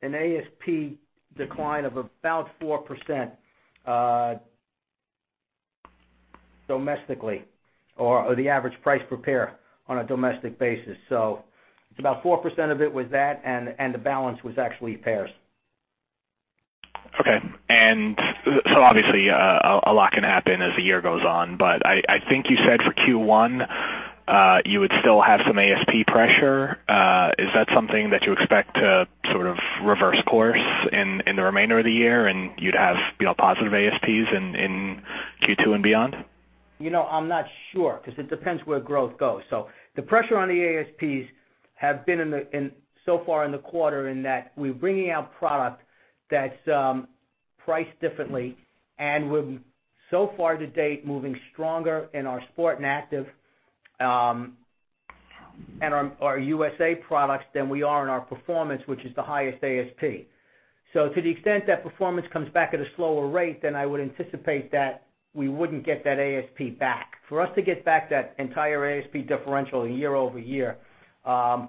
an ASP decline of about 4% domestically, or the average price per pair on a domestic basis. It's about 4% of it was that, and the balance was actually pairs. Okay. Obviously, a lot can happen as the year goes on, but I think you said for Q1, you would still have some ASP pressure. Is that something that you expect to sort of reverse course in the remainder of the year and you'd have positive ASPs in Q2 and beyond? I'm not sure, because it depends where growth goes. The pressure on the ASPs have been so far in the quarter in that we're bringing out product that's priced differently, and we're so far to date, moving stronger in our sport and active, and our U.S.A. products than we are in our performance, which is the highest ASP. To the extent that performance comes back at a slower rate, then I would anticipate that we wouldn't get that ASP back. For us to get back that entire ASP differential year-over-year,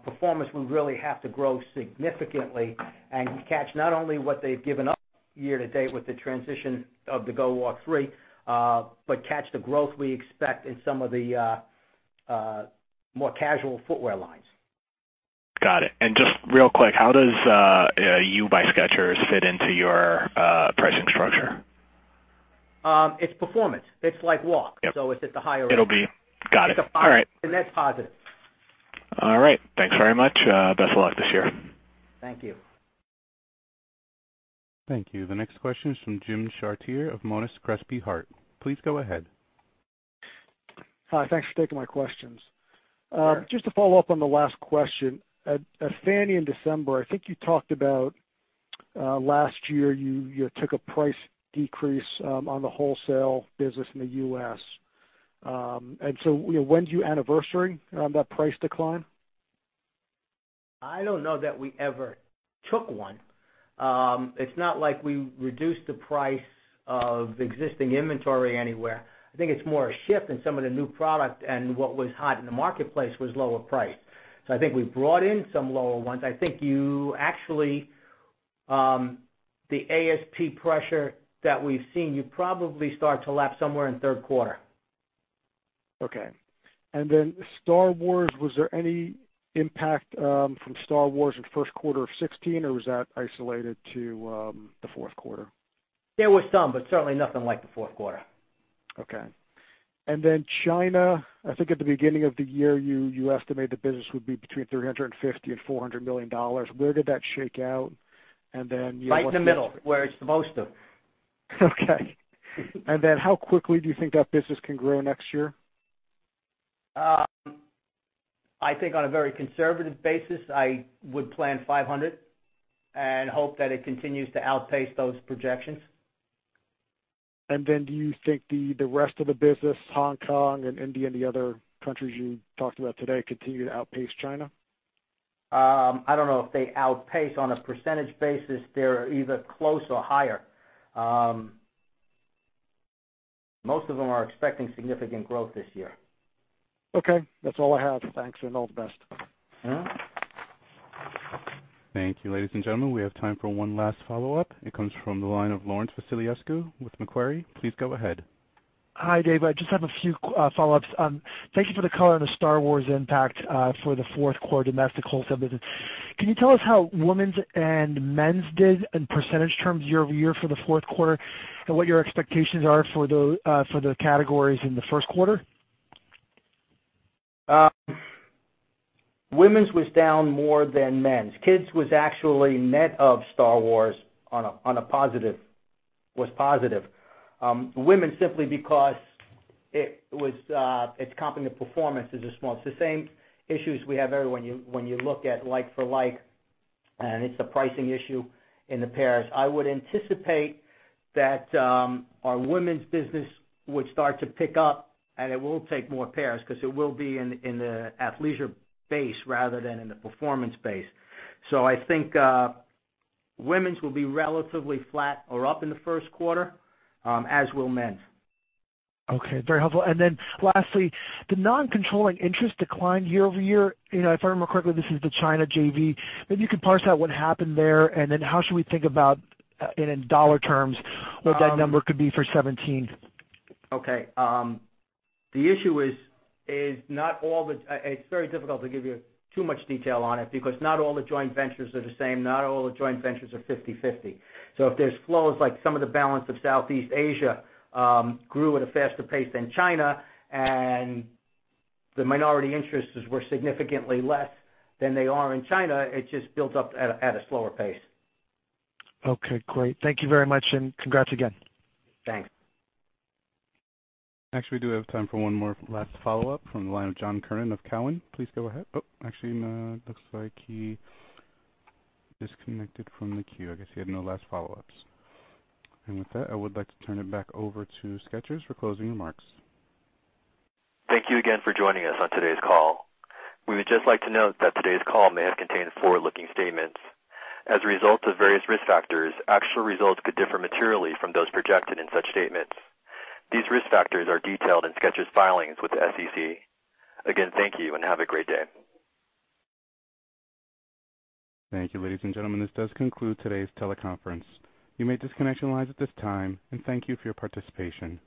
performance would really have to grow significantly and catch not only what they've given up year to date with the transition of the GOwalk 3, but catch the growth we expect in some of the more casual footwear lines. Got it. Just real quick, how does You by Skechers fit into your pricing structure? It's performance. It's like Walk. Yep. It's at the higher end. It'll be. Got it. All right. It's a positive. The net's positive. All right. Thanks very much. Best of luck this year. Thank you. Thank you. The next question is from Jim Chartier of Monness, Crespi, Hardt. Please go ahead. Hi, thanks for taking my questions. Sure. Just to follow up on the last question. At Fannie in December, I think you talked about last year, you took a price decrease on the wholesale business in the U.S. When do you anniversary on that price decline? I don't know that we ever took one. It's not like we reduced the price of existing inventory anywhere. I think it's more a shift in some of the new product and what was hot in the marketplace was lower priced. I think we brought in some lower ones. I think you actually, the ASP pressure that we've seen, you probably start to lap somewhere in third quarter. Okay. Star Wars, was there any impact from Star Wars in first quarter of 2016, or was that isolated to the fourth quarter? There was some, certainly nothing like the fourth quarter. Okay. China, I think at the beginning of the year, you estimated the business would be between $350 million and $400 million. Where did that shake out? Right in the middle, where it's the most of. Okay. How quickly do you think that business can grow next year? I think on a very conservative basis, I would plan 500 and hope that it continues to outpace those projections. Do you think the rest of the business, Hong Kong and India and the other countries you talked about today, continue to outpace China? I don't know if they outpace on a percentage basis, they're either close or higher. Most of them are expecting significant growth this year. Okay. That's all I have. Thanks, and all the best. Yeah. Thank you, ladies and gentlemen, we have time for one last follow-up. It comes from the line of Laurent Vasilescu with Macquarie. Please go ahead. Hi, Dave. I just have a few follow-ups. Thank you for the color on the Star Wars impact for the fourth quarter domestic wholesale business. Can you tell us how women's and men's did in percentage terms year-over-year for the fourth quarter, and what your expectations are for the categories in the first quarter? Women's was down more than men's. Kids was actually net of Star Wars, was positive. Women, simply because its comparative performance is a small. It's the same issues we have every when you look at like for like, and it's the pricing issue in the pairs. I would anticipate that our women's business would start to pick up, and it will take more pairs because it will be in the athleisure base rather than in the performance base. I think women's will be relatively flat or up in the first quarter, as will men's. Okay, very helpful. Lastly, the non-controlling interest declined year-over-year. If I remember correctly, this is the China JV. Maybe you could parse out what happened there, and then how should we think about in dollar terms what that number could be for 2017? Okay. It's very difficult to give you too much detail on it because not all the joint ventures are the same, not all the joint ventures are 50/50. If there's flows like some of the balance of Southeast Asia grew at a faster pace than China, and the minority interests were significantly less than they are in China, it just builds up at a slower pace. Okay, great. Thank you very much, and congrats again. Thanks. Actually, we do have time for one more last follow-up from the line of John Kernan of Cowen. Please go ahead. Oh, actually, looks like he disconnected from the queue. I guess he had no last follow-ups. With that, I would like to turn it back over to Skechers for closing remarks. Thank you again for joining us on today's call. We would just like to note that today's call may have contained forward-looking statements. As a result of various risk factors, actual results could differ materially from those projected in such statements. These risk factors are detailed in Skechers' filings with the SEC. Again, thank you, and have a great day. Thank you, ladies and gentlemen. This does conclude today's teleconference. You may disconnect your lines at this time, and thank you for your participation.